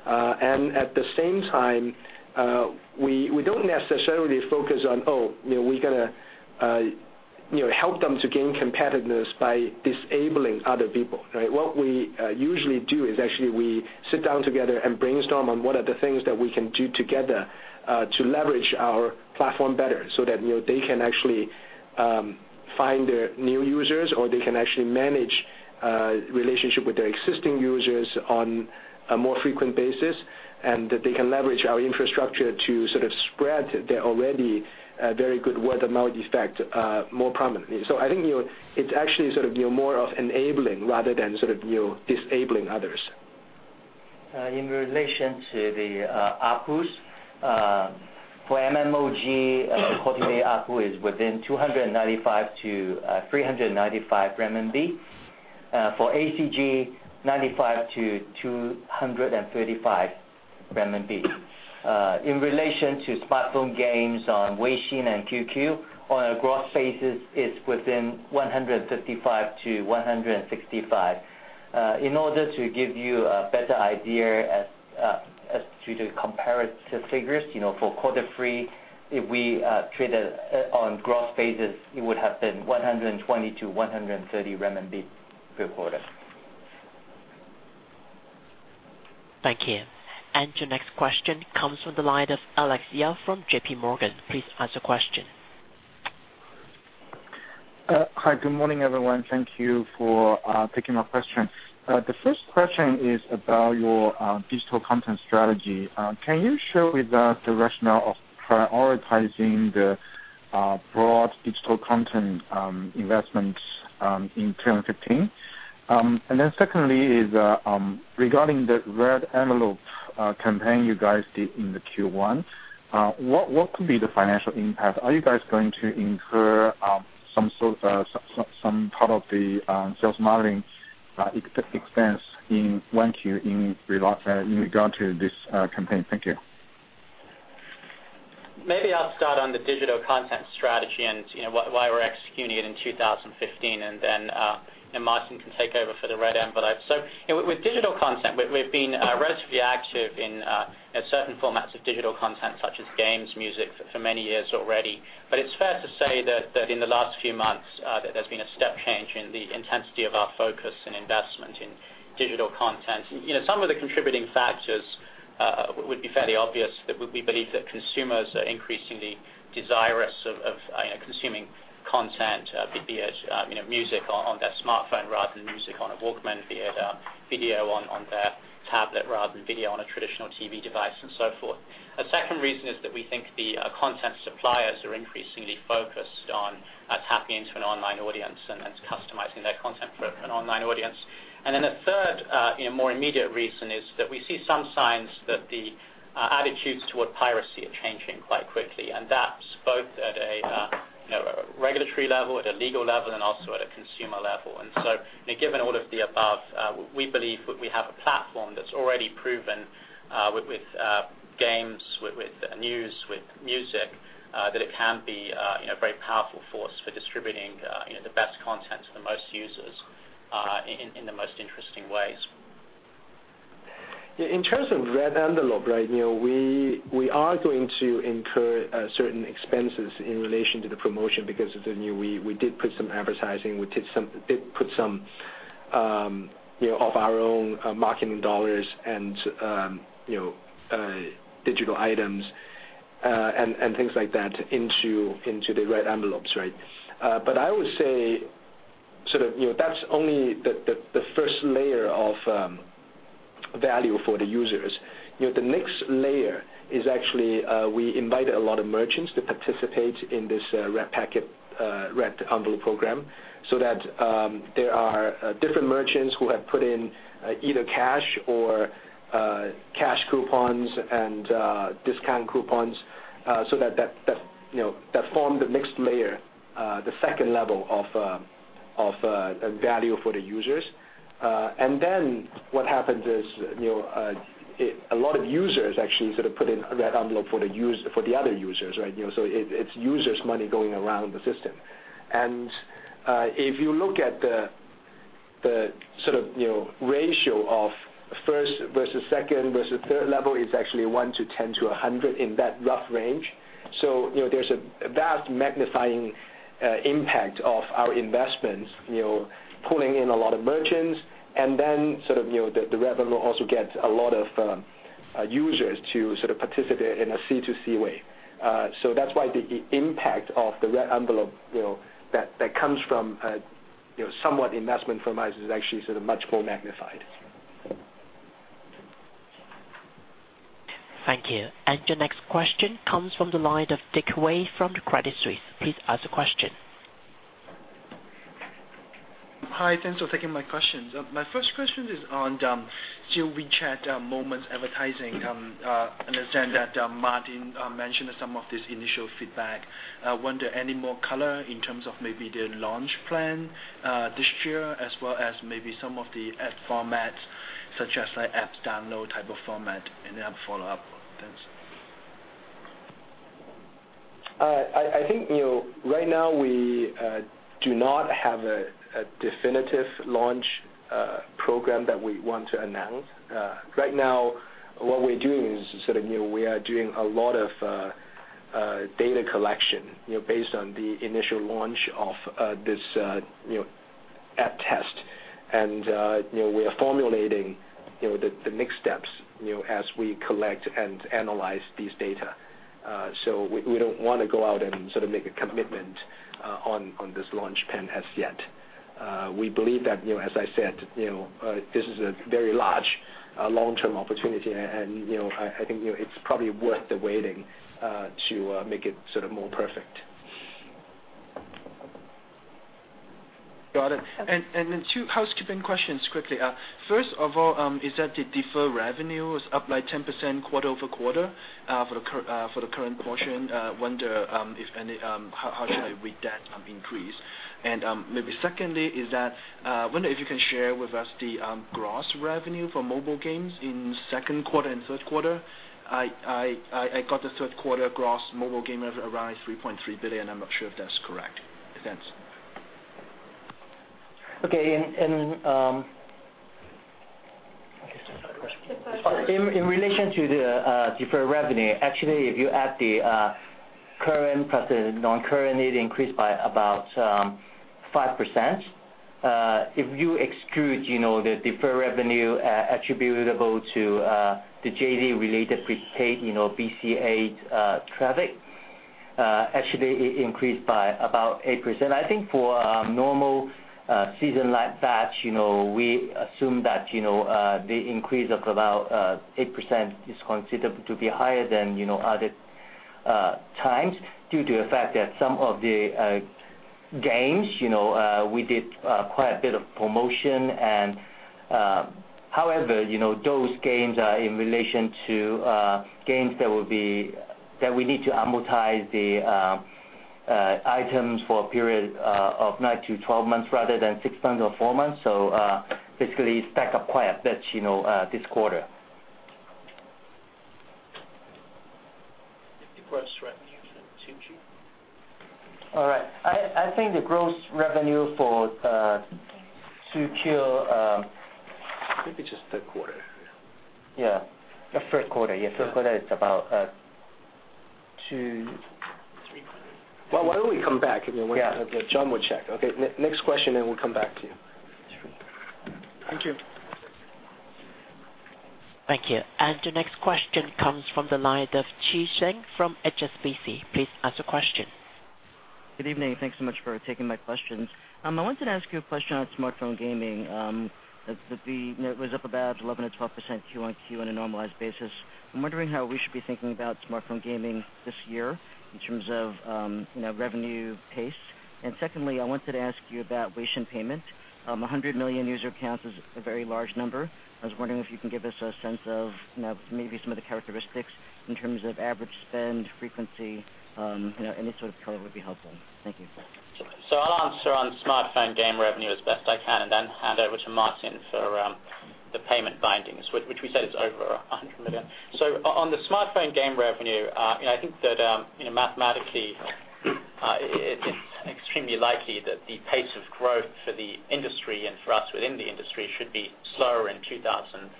At the same time, we don't necessarily focus on, oh, we got to help them to gain competitiveness by disabling other people. What we usually do is actually we sit down together and brainstorm on what are the things that we can do together to leverage our platform better, so that they can actually find their new users, or they can actually manage relationship with their existing users on a more frequent basis, and that they can leverage our infrastructure to spread their already very good word-of-mouth effect more prominently. I think it's actually more of enabling rather than disabling others. In relation to the ARPUs, for MMOG, quarter ARPU is within 295-395 RMB. For ACG, 95-235 RMB. In relation to smartphone games on Weixin and QQ, on a gross basis, it's within 155-165. In order to give you a better idea as to the comparative figures, for quarter three, if we treated on gross basis, it would have been 120-130 renminbi per quarter. Thank you. Your next question comes from the line of Alex Yao from J.P. Morgan. Please ask a question. Hi, good morning, everyone. Thank you for taking my question. The first question is about your digital content strategy. Can you share with us the rationale of prioritizing the broad digital content investments in 2015? Secondly is, regarding the red envelope campaign you guys did in the Q1, what could be the financial impact? Are you guys going to incur some part of the sales modeling expense in 1Q in regard to this campaign? Thank you. Maybe I'll start on the digital content strategy and why we're executing it in 2015, and then Martin can take over for the red envelope. With digital content, we've been relatively active in certain formats of digital content, such as games, music, for many years already. It's fair to say that in the last few months, that there's been a step change in the intensity of our focus and investment in digital content. Some of the contributing factors would be fairly obvious. That would be belief that consumers are increasingly desirous of consuming content, be it music on their smartphone rather than music on a Walkman, be it video on their tablet rather than video on a traditional TV device, and so forth. A second reason is that we think the content suppliers are increasingly focused on tapping into an online audience and customizing their content for an online audience. A third, more immediate reason is that we see some signs that the attitudes toward piracy are changing quite quickly, and that's both at a regulatory level, at a legal level, and also at a consumer level. Given all of the above, we believe we have a platform that's already proven with games, with news, with music, that it can be a very powerful force for distributing the best content to the most users in the most interesting ways. In terms of red envelope, we are going to incur certain expenses in relation to the promotion because we did put some advertising. We did put some of our own marketing dollars and digital items and things like that into the red envelopes. I would say that's only the first layer of value for the users. The next layer is actually, we invited a lot of merchants to participate in this red packet, red envelope program, so that there are different merchants who have put in either cash or cash coupons and discount coupons, so that forms the next layer, the second level of value for the users. What happens is, a lot of users actually put in red envelope for the other users, right? It's users money going around the system. If you look at the ratio of 1st versus 2nd, versus 3rd level, it's actually 1 to 10 to 100 in that rough range. There's a vast magnifying impact of our investments, pulling in a lot of merchants and then the revenue also gets a lot of users to participate in a C2C way. That's why the impact of the red envelope, that comes from somewhat investment from us is actually much more magnified. Thank you. Your next question comes from the line of Dick Wei from the Credit Suisse. Please ask the question. Hi, thanks for taking my questions. My first question is on WeChat Moments advertising. Understand that Martin mentioned some of this initial feedback. Wonder any more color in terms of maybe the launch plan this year as well as maybe some of the ad formats such as like apps download type of format, then I have a follow-up. Thanks I think right now we do not have a definitive launch program that we want to announce. Right now, what we're doing is we are doing a lot of data collection based on the initial launch of this app test. We are formulating the next steps as we collect and analyze these data. We don't want to go out and make a commitment on this launch plan as yet. We believe that, as I said, this is a very large, long-term opportunity, and I think it's probably worth the waiting to make it more perfect. Got it. Then two housekeeping questions quickly. First of all, is that the deferred revenue is up by 10% quarter-over-quarter for the current portion. Wonder how should I read that increase? Maybe secondly is that, wonder if you can share with us the gross revenue for mobile games in second quarter and third quarter. I got the third quarter gross mobile game revenue around 3.3 billion. I am not sure if that is correct. Thanks. Okay. In relation to the deferred revenue, actually, if you add the current plus the non-current, it increased by about 5%. If you exclude the deferred revenue attributable to the JV related with [eCommerce traffic], actually it increased by about 8%. I think for a normal season like that, we assume that the increase of about 8% is considered to be higher than other times due to the fact that some of the games we did quite a bit of promotion. However, those games are in relation to games that we need to amortize the items for a period of nine to 12 months rather than six months or four months. Basically it stack up quite a bit this quarter. The gross revenue, Xueting. All right. I think the gross revenue for 2Q- Maybe just third quarter. Yeah. The third quarter. Yeah, third quarter it's about. Three quarter. Why don't we come back and then John will check. Okay. Next question. We'll come back to you. Thank you. Thank you. The next question comes from the line of Chi Tsang from HSBC. Please ask a question. Good evening. Thanks so much for taking my questions. I wanted to ask you a question on smartphone gaming. The note was up about 11%-12% Q1 to Q on a normalized basis. I'm wondering how we should be thinking about smartphone gaming this year in terms of revenue pace. Secondly, I wanted to ask you about Weixin payment. 100 million user accounts is a very large number. I was wondering if you can give us a sense of maybe some of the characteristics in terms of average spend frequency. Any sort of color would be helpful. Thank you. I'll answer on smartphone game revenue as best I can, and then hand over to Martin for the payment bindings, which we said is over 100 million. On the smartphone game revenue, I think that mathematically, it's extremely likely that the pace of growth for the industry and for us within the industry should be slower in 2015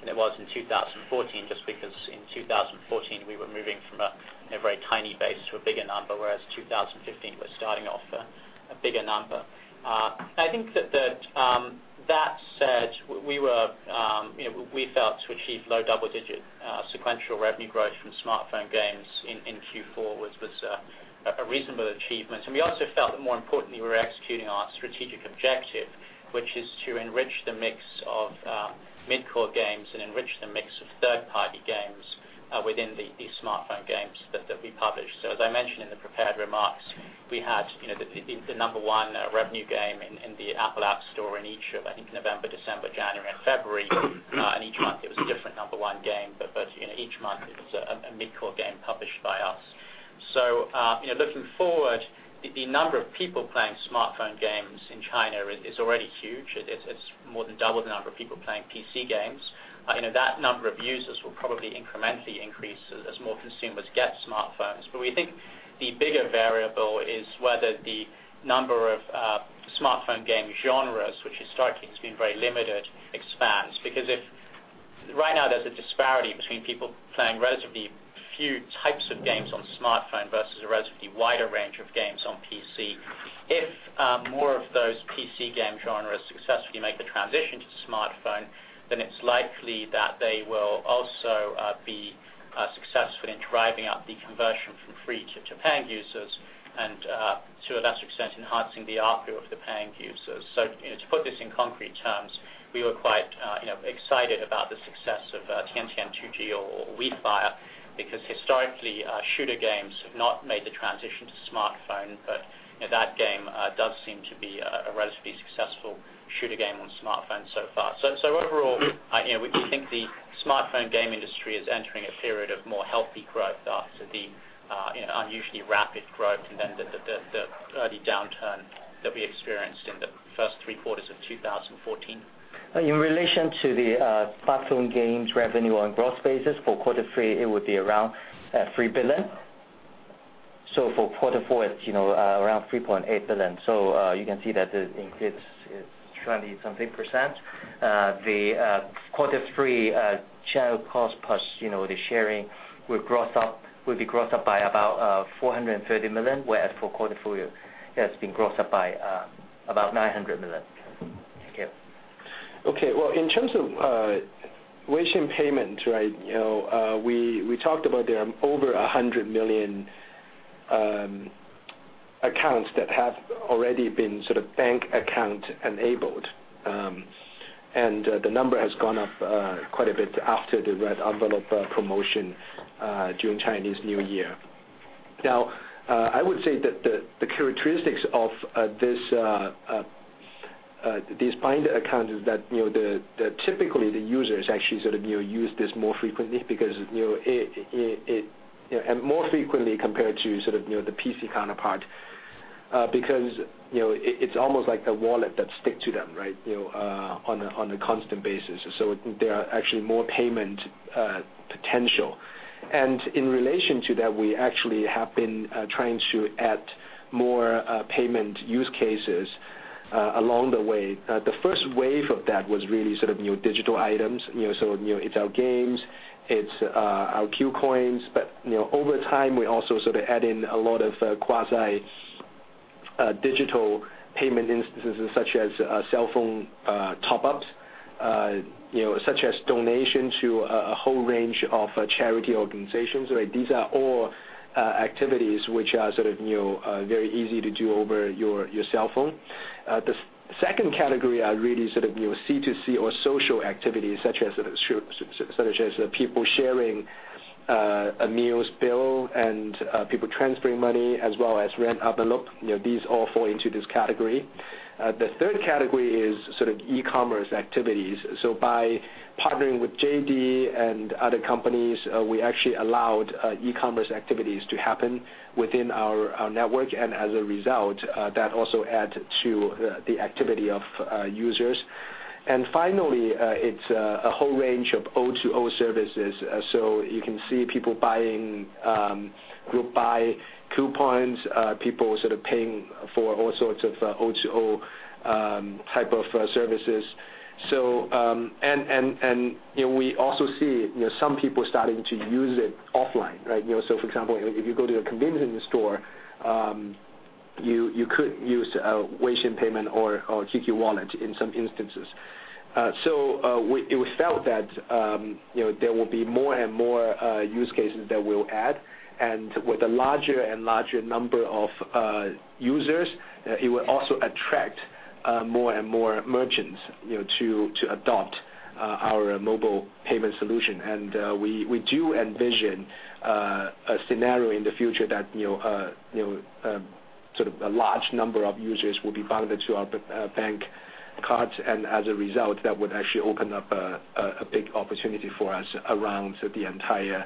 than it was in 2014, just because in 2014, we were moving from a very tiny base to a bigger number, whereas 2015, we're starting off a bigger number. I think that said, we felt to achieve low double-digit sequential revenue growth from smartphone games in Q4 was a reasonable achievement. We also felt that more importantly, we were executing our strategic objective, which is to enrich the mix of mid-core games and enrich the mix of third-party games within these smartphone games that we publish. As I mentioned in the prepared remarks, we had the number one revenue game in the App Store in each of, I think, November, December, January, and February. Each month it was a different number one game, but each month it was a mid-core game published by us. Looking forward, the number of people playing smartphone games in China is already huge. It's more than double the number of people playing PC games. That number of users will probably incrementally increase as more consumers get smartphones. We think the bigger variable is whether the number of smartphone game genres, which historically has been very limited, expands. Right now there's a disparity between people playing relatively few types of games on smartphone versus a relatively wider range of games on PC. If more of those PC game genres successfully make the transition to smartphone, it's likely that they will also be successful in driving up the conversion from free to paying users and, to a lesser extent, enhancing the ARPU of the paying users. To put this in concrete terms, we were quite excited about the success of Tian Tian Tu Ji or WeFire because historically, shooter games have not made the transition to smartphone. That game does seem to be a relatively successful shooter game on smartphone so far. Overall, we think the smartphone game industry is entering a period of more healthy growth after the unusually rapid growth and the early downturn that we experienced in the first three quarters of 2014. In relation to the platform games revenue on gross basis for quarter three, it would be around 3 billion. For quarter four, it's around 3.8 billion. You can see that the increase is 20-something%. The quarter three channel cost plus the sharing will be grossed up by about 430 million, whereas for quarter four, it has been grossed up by about 900 million. Thank you. Well, in terms of Weixin payment, we talked about there are over 100 million accounts that have already been sort of bank account enabled. The number has gone up quite a bit after the Red Envelope promotion during Chinese New Year. I would say that the characteristics of these bound accounts is that typically the users actually sort of use this more frequently compared to sort of the PC counterpart, because it's almost like a wallet that stick to them on a constant basis. There are actually more payment potential. In relation to that, we actually have been trying to add more payment use cases along the way. The first wave of that was really sort of digital items. It's our games, it's our QQ Coin, but over time, we also sort of add in a lot of quasi digital payment instances, such as cellphone top-ups, such as donation to a whole range of charity organizations. These are all activities which are sort of very easy to do over your cellphone. The second category are really sort of C2C or social activities, such as people sharing a meals bill and people transferring money as well as Red Envelope. These all fall into this category. The third category is sort of e-commerce activities. By partnering with JD and other companies, we actually allowed e-commerce activities to happen within our network, and as a result, that also add to the activity of users. Finally, it's a whole range of O2O services. You can see people buying group buy coupons, people sort of paying for all sorts of O2O type of services. We also see some people starting to use it offline. For example, if you go to a convenience store, you could use a Weixin payment or QQ Wallet in some instances. We felt that there will be more and more use cases that we'll add, and with a larger and larger number of users, it will also attract more and more merchants to adopt our mobile payment solution. We do envision a scenario in the future that sort of a large number of users will be bonded to our bank cards, and as a result, that would actually open up a big opportunity for us around the entire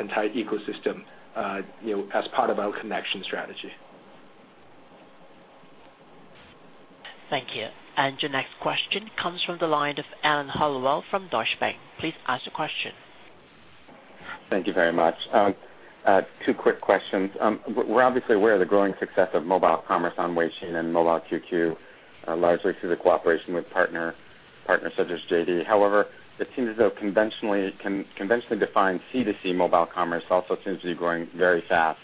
ecosystem as part of our connection strategy. Thank you. Your next question comes from the line of Alan Hellawell from Deutsche Bank. Please ask your question. Thank you very much. Two quick questions. We're obviously aware of the growing success of mobile commerce on Weixin and mobile QQ, largely through the cooperation with partners such as JD.com. It seems as though conventionally defined C2C mobile commerce also seems to be growing very fast,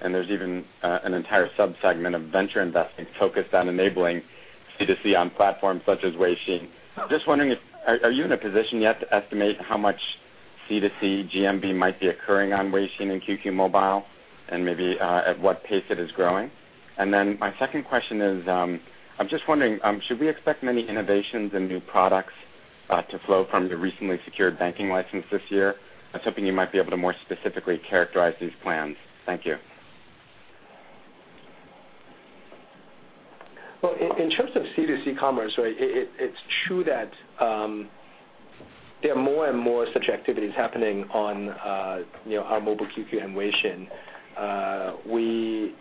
and there's even an entire sub-segment of venture investing focused on enabling C2C on platforms such as Weixin. Just wondering, are you in a position yet to estimate how much C2C GMV might be occurring on Weixin and QQ Mobile, and maybe at what pace it is growing? My second question is, I'm just wondering, should we expect many innovations and new products to flow from the recently secured banking license this year? I was hoping you might be able to more specifically characterize these plans. Thank you. In terms of C2C commerce, it's true that there are more and more such activities happening on our mobile QQ and WeChat. We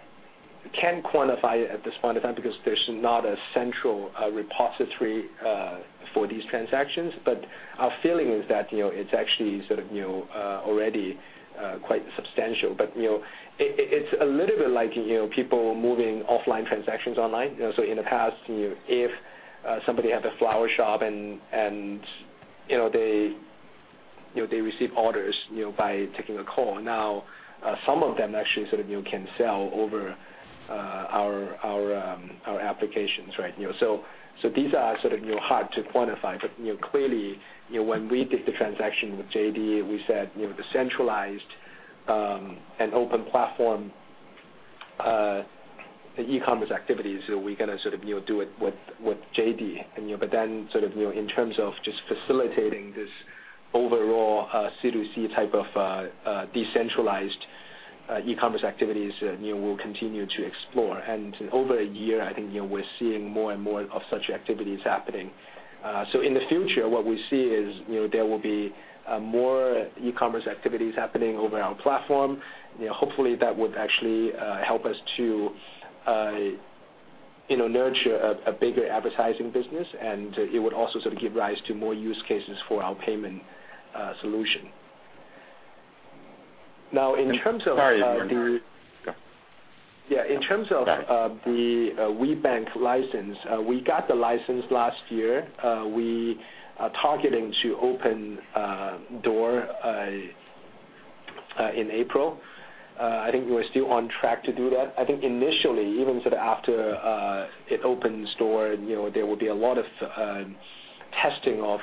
can't quantify it at this point in time because there's not a central repository for these transactions, but our feeling is that it's actually already quite substantial. In the past, if somebody had a flower shop and they received orders by taking a call, now some of them actually can sell over our applications. These are hard to quantify, but clearly, when we did the transaction with JD.com, we said the centralized and open platform e-commerce activities, we're going to do it with JD.com. In terms of just facilitating this overall C2C type of decentralized e-commerce activities, we'll continue to explore. Over a year, I think we're seeing more and more of such activities happening. In the future, what we see is there will be more e-commerce activities happening over our platform. Hopefully, that would actually help us to nurture a bigger advertising business, and it would also give rise to more use cases for our payment solution. In terms of Sorry to interrupt. Go. Yeah, in terms of Go ahead the WeBank license, we got the license last year. We are targeting to open a door in April. I think we are still on track to do that. I think initially, even after it opens door, there will be a lot of testing of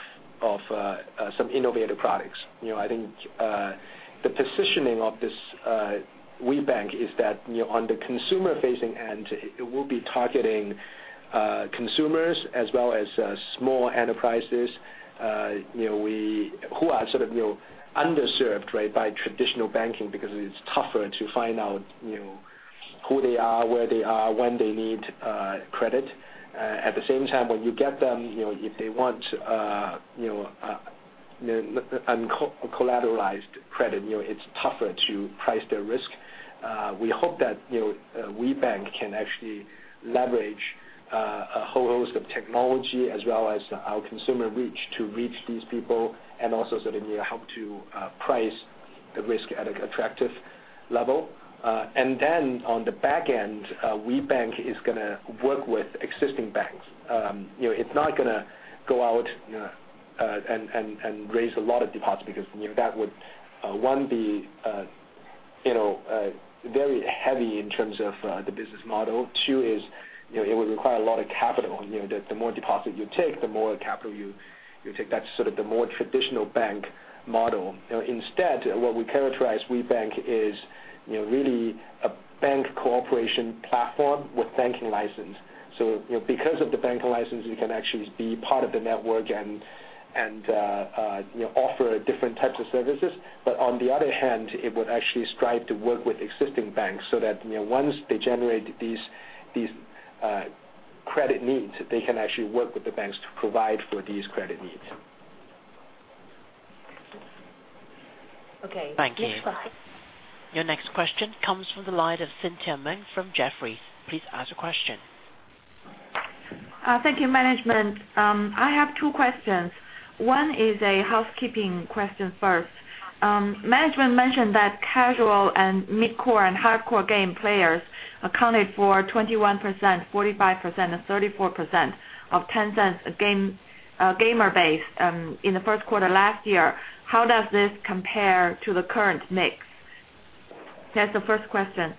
some innovative products. I think the positioning of this WeBank is that on the consumer-facing end, it will be targeting consumers as well as small enterprises who are underserved by traditional banking because it's tougher to find out who they are, where they are, when they need credit. At the same time, when you get them, if they want uncollateralized credit, it's tougher to price their risk. We hope that WeBank can actually leverage a whole host of technology as well as our consumer reach to reach these people, and also help to price the risk at an attractive level. On the back end, WeBank is going to work with existing banks. It's not going to go out and raise a lot of deposits because that would, one, be very heavy in terms of the business model. Two is it would require a lot of capital. The more deposit you take, the more capital you take. That's the more traditional bank model. Instead, what we characterize WeBank as really a bank cooperation platform with banking license. Because of the banking license, we can actually be part of the network and offer different types of services. On the other hand, it would actually strive to work with existing banks so that once they generate these credit needs, they can actually work with the banks to provide for these credit needs. Okay. Next question. Thank you. Your next question comes from the line of Cynthia Meng from Jefferies. Please ask your question. Thank you, management. I have two questions. One is a housekeeping question first. Management mentioned that casual and mid-core and hardcore game players accounted for 21%, 45% and 34% of Tencent gamer base in the first quarter last year. How does this compare to the current mix? That's the first question.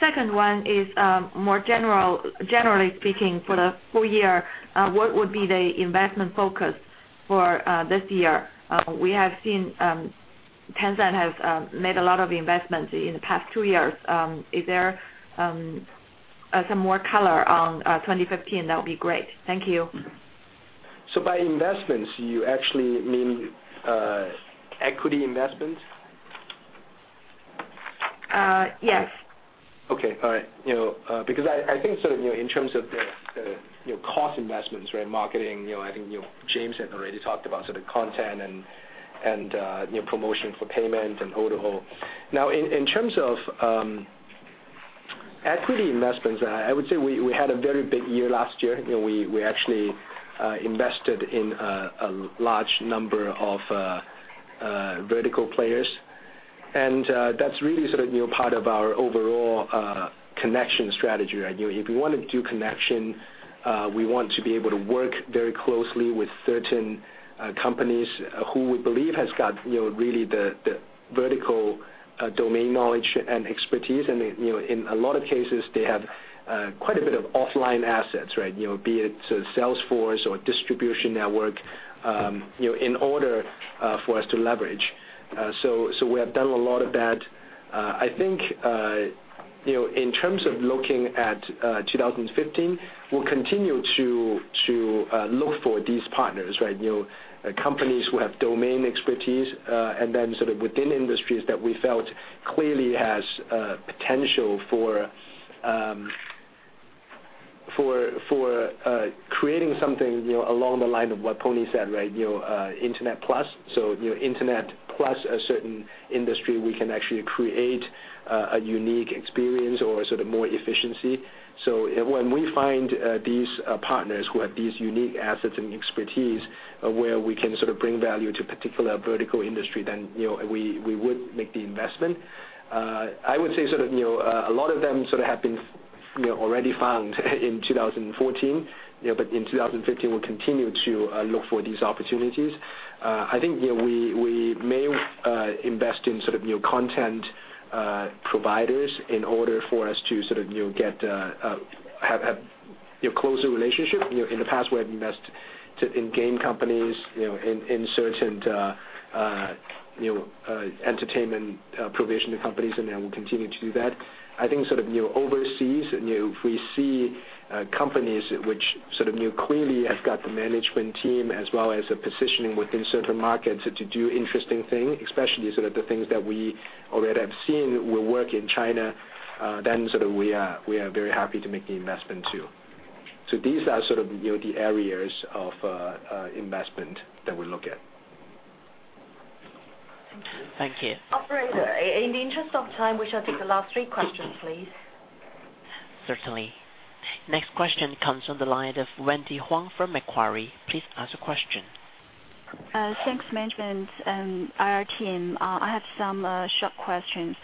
Second one is more generally speaking, for the full year, what would be the investment focus for this year? We have seen Tencent has made a lot of investments in the past two years. Is there some more color on 2015? That would be great. Thank you. By investments, you actually mean equity investments? Yes. Okay. All right. I think in terms of the cost investments, marketing, I think James had already talked about content and promotion for payment and O2O. Now, in terms of equity investments, I would say we had a very big year last year. We actually invested in a large number of vertical players. That's really part of our overall connection strategy. If we want to do connection, we want to be able to work very closely with certain companies who we believe has got really the vertical domain knowledge and expertise. In a lot of cases, they have quite a bit of offline assets, be it sales force or distribution network in order for us to leverage. We have done a lot of that. I think in terms of looking at 2015, we'll continue to look for these partners. Companies who have domain expertise, within industries that we felt clearly has potential for creating something along the line of what Pony said, Internet Plus. Internet Plus a certain industry, we can actually create a unique experience or more efficiency. When we find these partners who have these unique assets and expertise where we can bring value to particular vertical industry, we would make the investment. I would say a lot of them have been already found in 2014. In 2015, we'll continue to look for these opportunities. I think we may invest in content providers in order for us to have closer relationship. In the past, we have invest in game companies, in certain entertainment provision to companies, we'll continue to do that. I think overseas, if we see companies which clearly have got the management team as well as a positioning within certain markets to do interesting thing, especially the things that we already have seen will work in China, we are very happy to make the investment, too. These are the areas of investment that we look at. Thank you. Thank you. Operator, in the interest of time, we shall take the last three questions, please. Certainly. Next question comes on the line of Wendy Huang from Macquarie. Please ask your question. Thanks, management and IR team. I have some short questions.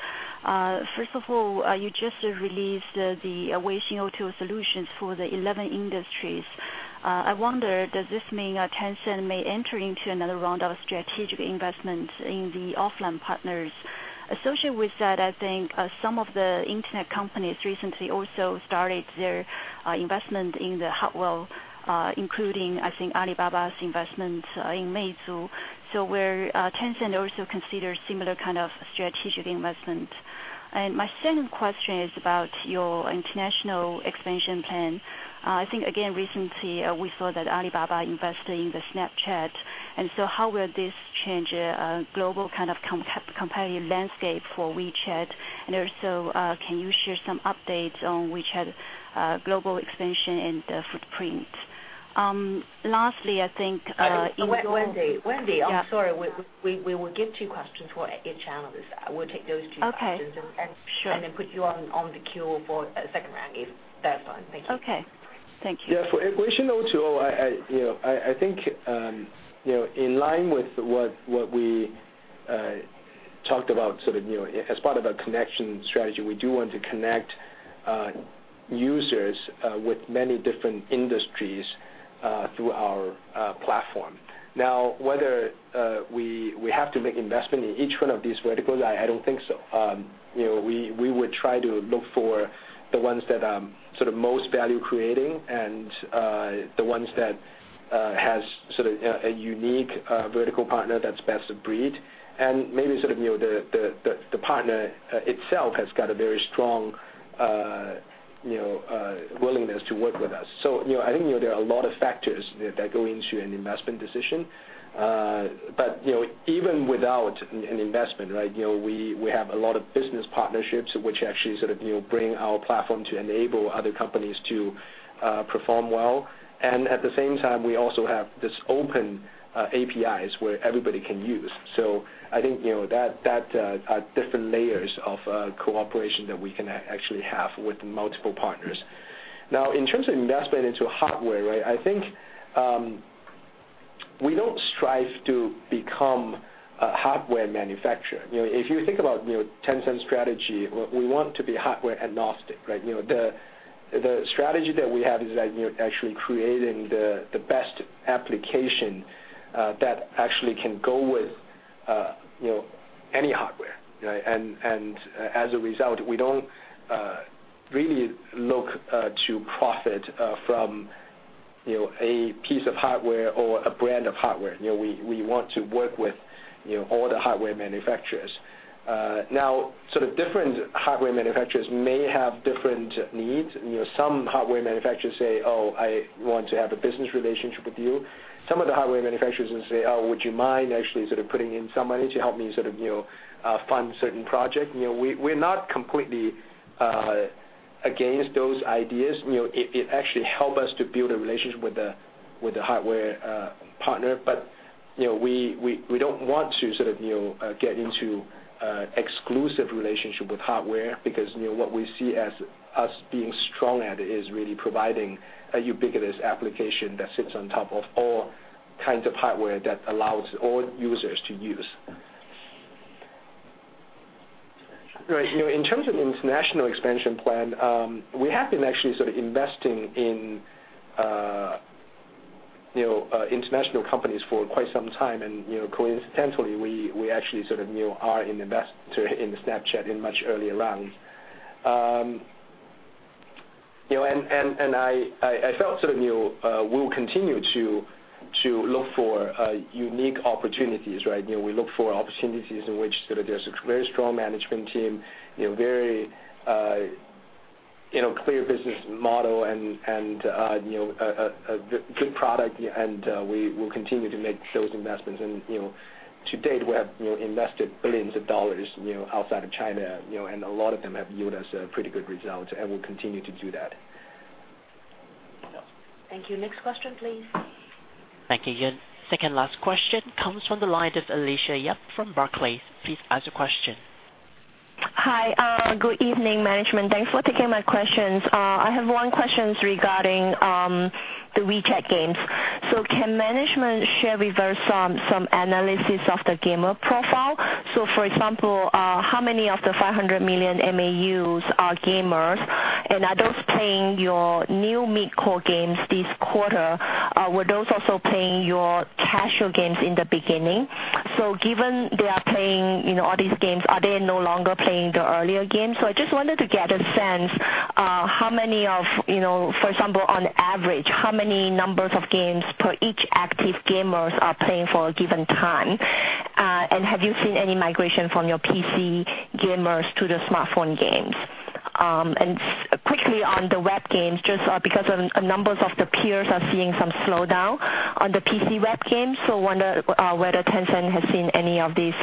First of all, you just released the Weixin O2O solutions for the 11 industries. I wonder, does this mean Tencent may enter into another round of strategic investment in the offline partners? Associated with that, I think some of the Internet companies recently also started their investment in the hardware, including, I think, Alibaba's investment in Meizu. Will Tencent also consider similar kind of strategic investment? My second question is about your international expansion plan. I think, again, recently, we saw that Alibaba invested in the Snapchat. How will this change a global competitive landscape for WeChat? Can you share some updates on WeChat global expansion and footprint? Wendy, I'm sorry. We will give two questions for each analyst. We'll take those two questions. Okay. Sure. Put you on the queue for a second round, if that's fine. Thank you. Okay. Thank you. Yeah. For O2O, I think in line with what we talked about as part of our connection strategy, we do want to connect users with many different industries through our platform. Whether we have to make investment in each one of these verticals, I don't think so. We would try to look for the ones that are most value-creating and the ones that has a unique vertical partner that's best of breed, and maybe the partner itself has got a very strong willingness to work with us. I think there are a lot of factors that go into an investment decision. Even without an investment, we have a lot of business partnerships which actually bring our platform to enable other companies to perform well. At the same time, we also have this open APIs where everybody can use. I think that are different layers of cooperation that we can actually have with multiple partners. In terms of investment into hardware, I think we don't strive to become a hardware manufacturer. If you think about Tencent strategy, we want to be hardware agnostic. The strategy that we have is that actually creating the best application that actually can go with any hardware. As a result, we don't really look to profit from a piece of hardware or a brand of hardware. We want to work with all the hardware manufacturers. Different hardware manufacturers may have different needs. Some hardware manufacturers say, "Oh, I want to have a business relationship with you." Some of the hardware manufacturers will say, "Oh, would you mind actually putting in some money to help me fund certain project?" We're not completely against those ideas. It actually help us to build a relationship with the hardware partner. We don't want to get into exclusive relationship with hardware because what we see as us being strong at is really providing a ubiquitous application that sits on top of all kinds of hardware that allows all users to use. In terms of international expansion plan, we have been actually investing in international companies for quite some time. Coincidentally, we actually are an investor in Snapchat in much earlier rounds. I felt we'll continue to look for unique opportunities. We look for opportunities in which there's a very strong management team, very clear business model, and a good product, and we will continue to make those investments. To date, we have invested RMB billions outside of China, and a lot of them have yielded us pretty good results, and we'll continue to do that. Thank you. Next question, please. Thank you, Yoon. Second last question comes from the line of Alicia Yap from Barclays. Please ask your question. Hi, good evening, management. Thanks for taking my questions. I have one question regarding the WeChat games. Can management share with us some analysis of the gamer profile? For example, how many of the 500 million MAUs are gamers? And are those playing your new mid-core games this quarter, were those also playing your casual games in the beginning? Given they are playing all these games, are they no longer playing the earlier games? I just wanted to get a sense, for example, on average, how many numbers of games per each active gamers are playing for a given time? And have you seen any migration from your PC gamers to the smartphone games? And quickly on the web games, just because a number of the peers are seeing some slowdown on the PC web games, wonder whether Tencent has seen any of this.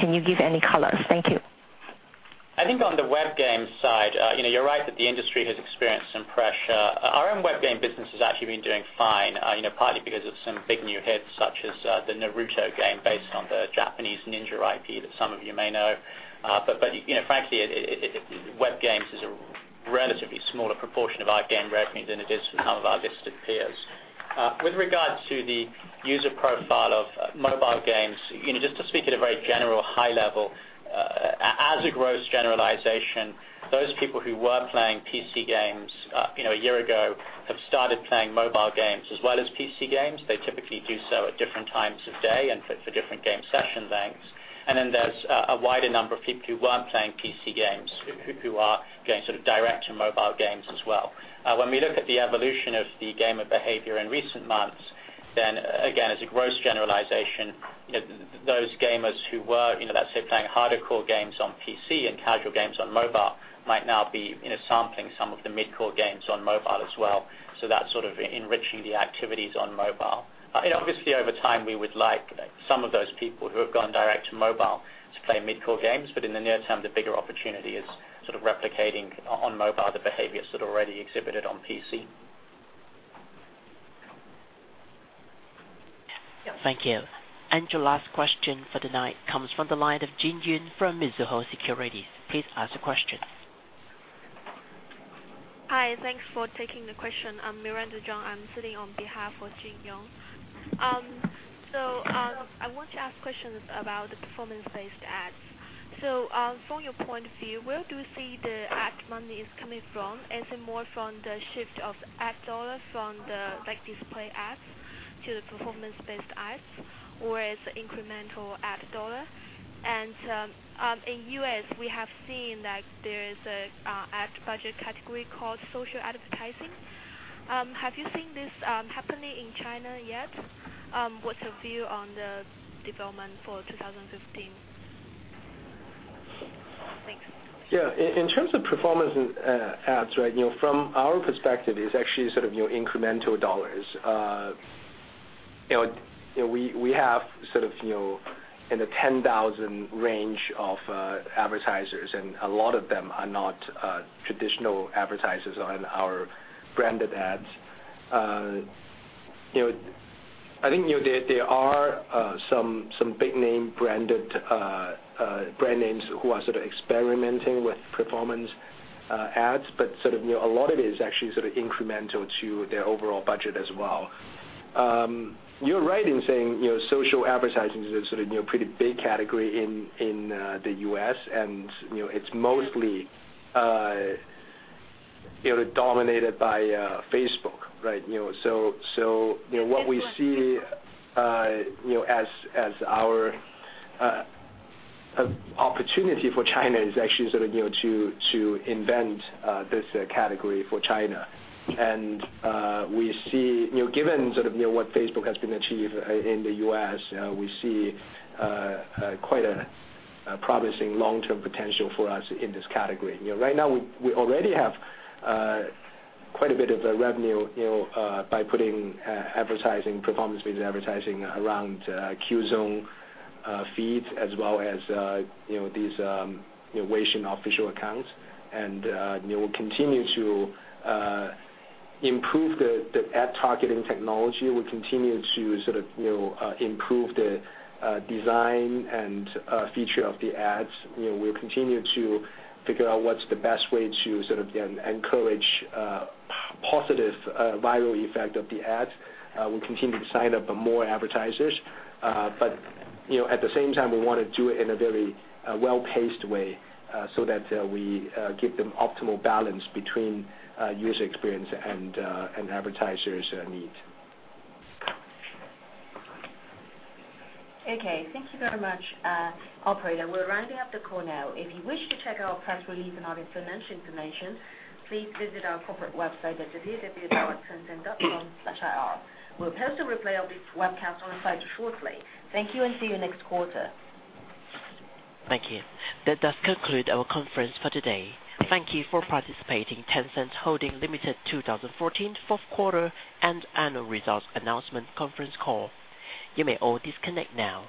Can you give any color? Thank you. I think on the web games side, you're right that the industry has experienced some pressure. Our own web game business has actually been doing fine, partly because of some big new hits, such as the Naruto game based on the Japanese ninja IP that some of you may know. Frankly, web games is a relatively smaller proportion of our game revenue than it is for some of our listed peers. With regards to the user profile of mobile games, just to speak at a very general high level, as a gross generalization, those people who were playing PC games a year ago have started playing mobile games as well as PC games. They typically do so at different times of day and for different game session lengths. There's a wider number of people who weren't playing PC games, who are going sort of direct to mobile games as well. When we look at the evolution of the gamer behavior in recent months, then again, as a gross generalization, those gamers who were, let's say, playing harder core games on PC and casual games on mobile might now be sampling some of the mid-core games on mobile as well. That's sort of enriching the activities on mobile. Obviously, over time, we would like some of those people who have gone direct to mobile to play mid-core games, but in the near term, the bigger opportunity is sort of replicating on mobile the behaviors that already exhibited on PC. Thank you. Your last question for the night comes from the line of Jin Yoon from Mizuho Securities. Please ask your question. Hi, thanks for taking the question. I'm Miranda Zhuang. I'm sitting on behalf of Jin Yoon. I want to ask questions about the performance-based ads. From your point of view, where do you see the ad money is coming from? Is it more from the shift of ad dollar from the display ads to the performance-based ads, or is it incremental ad dollar? In U.S., we have seen that there is an ad budget category called social advertising. Have you seen this happening in China yet? What's your view on the development for 2015? Thanks. Yeah. In terms of performance in ads, from our perspective, it's actually sort of your incremental CNY dollars. We have sort of in the 10,000 range of advertisers, and a lot of them are not traditional advertisers on our branded ads. I think there are some big name brand names who are sort of experimenting with performance ads, but sort of a lot of it is actually sort of incremental to their overall budget as well. You're right in saying social advertising is a sort of pretty big category in the U.S., and it's mostly dominated by Facebook, right? What we see Yes as our opportunity for China is actually sort of to invent this category for China. Given sort of what Facebook has been achieved in the U.S., we see quite a promising long-term potential for us in this category. Right now, we already have quite a bit of revenue by putting performance-based advertising around QZone feeds as well as these Weixin official accounts. We'll continue to improve the ad targeting technology. We'll continue to sort of improve the design and feature of the ads. We'll continue to figure out what's the best way to sort of encourage positive viral effect of the ads. We'll continue to sign up more advertisers. At the same time, we want to do it in a very well-paced way so that we give them optimal balance between user experience and advertisers' need. Okay. Thank you very much, operator. We're rounding up the call now. If you wish to check our press release and audit financial information, please visit our corporate website at www.tencent.com/ir. We'll post a replay of this webcast on the site shortly. Thank you and see you next quarter. Thank you. That does conclude our conference for today. Thank you for participating in Tencent Holdings Limited 2014 fourth quarter and annual results announcement conference call. You may all disconnect now.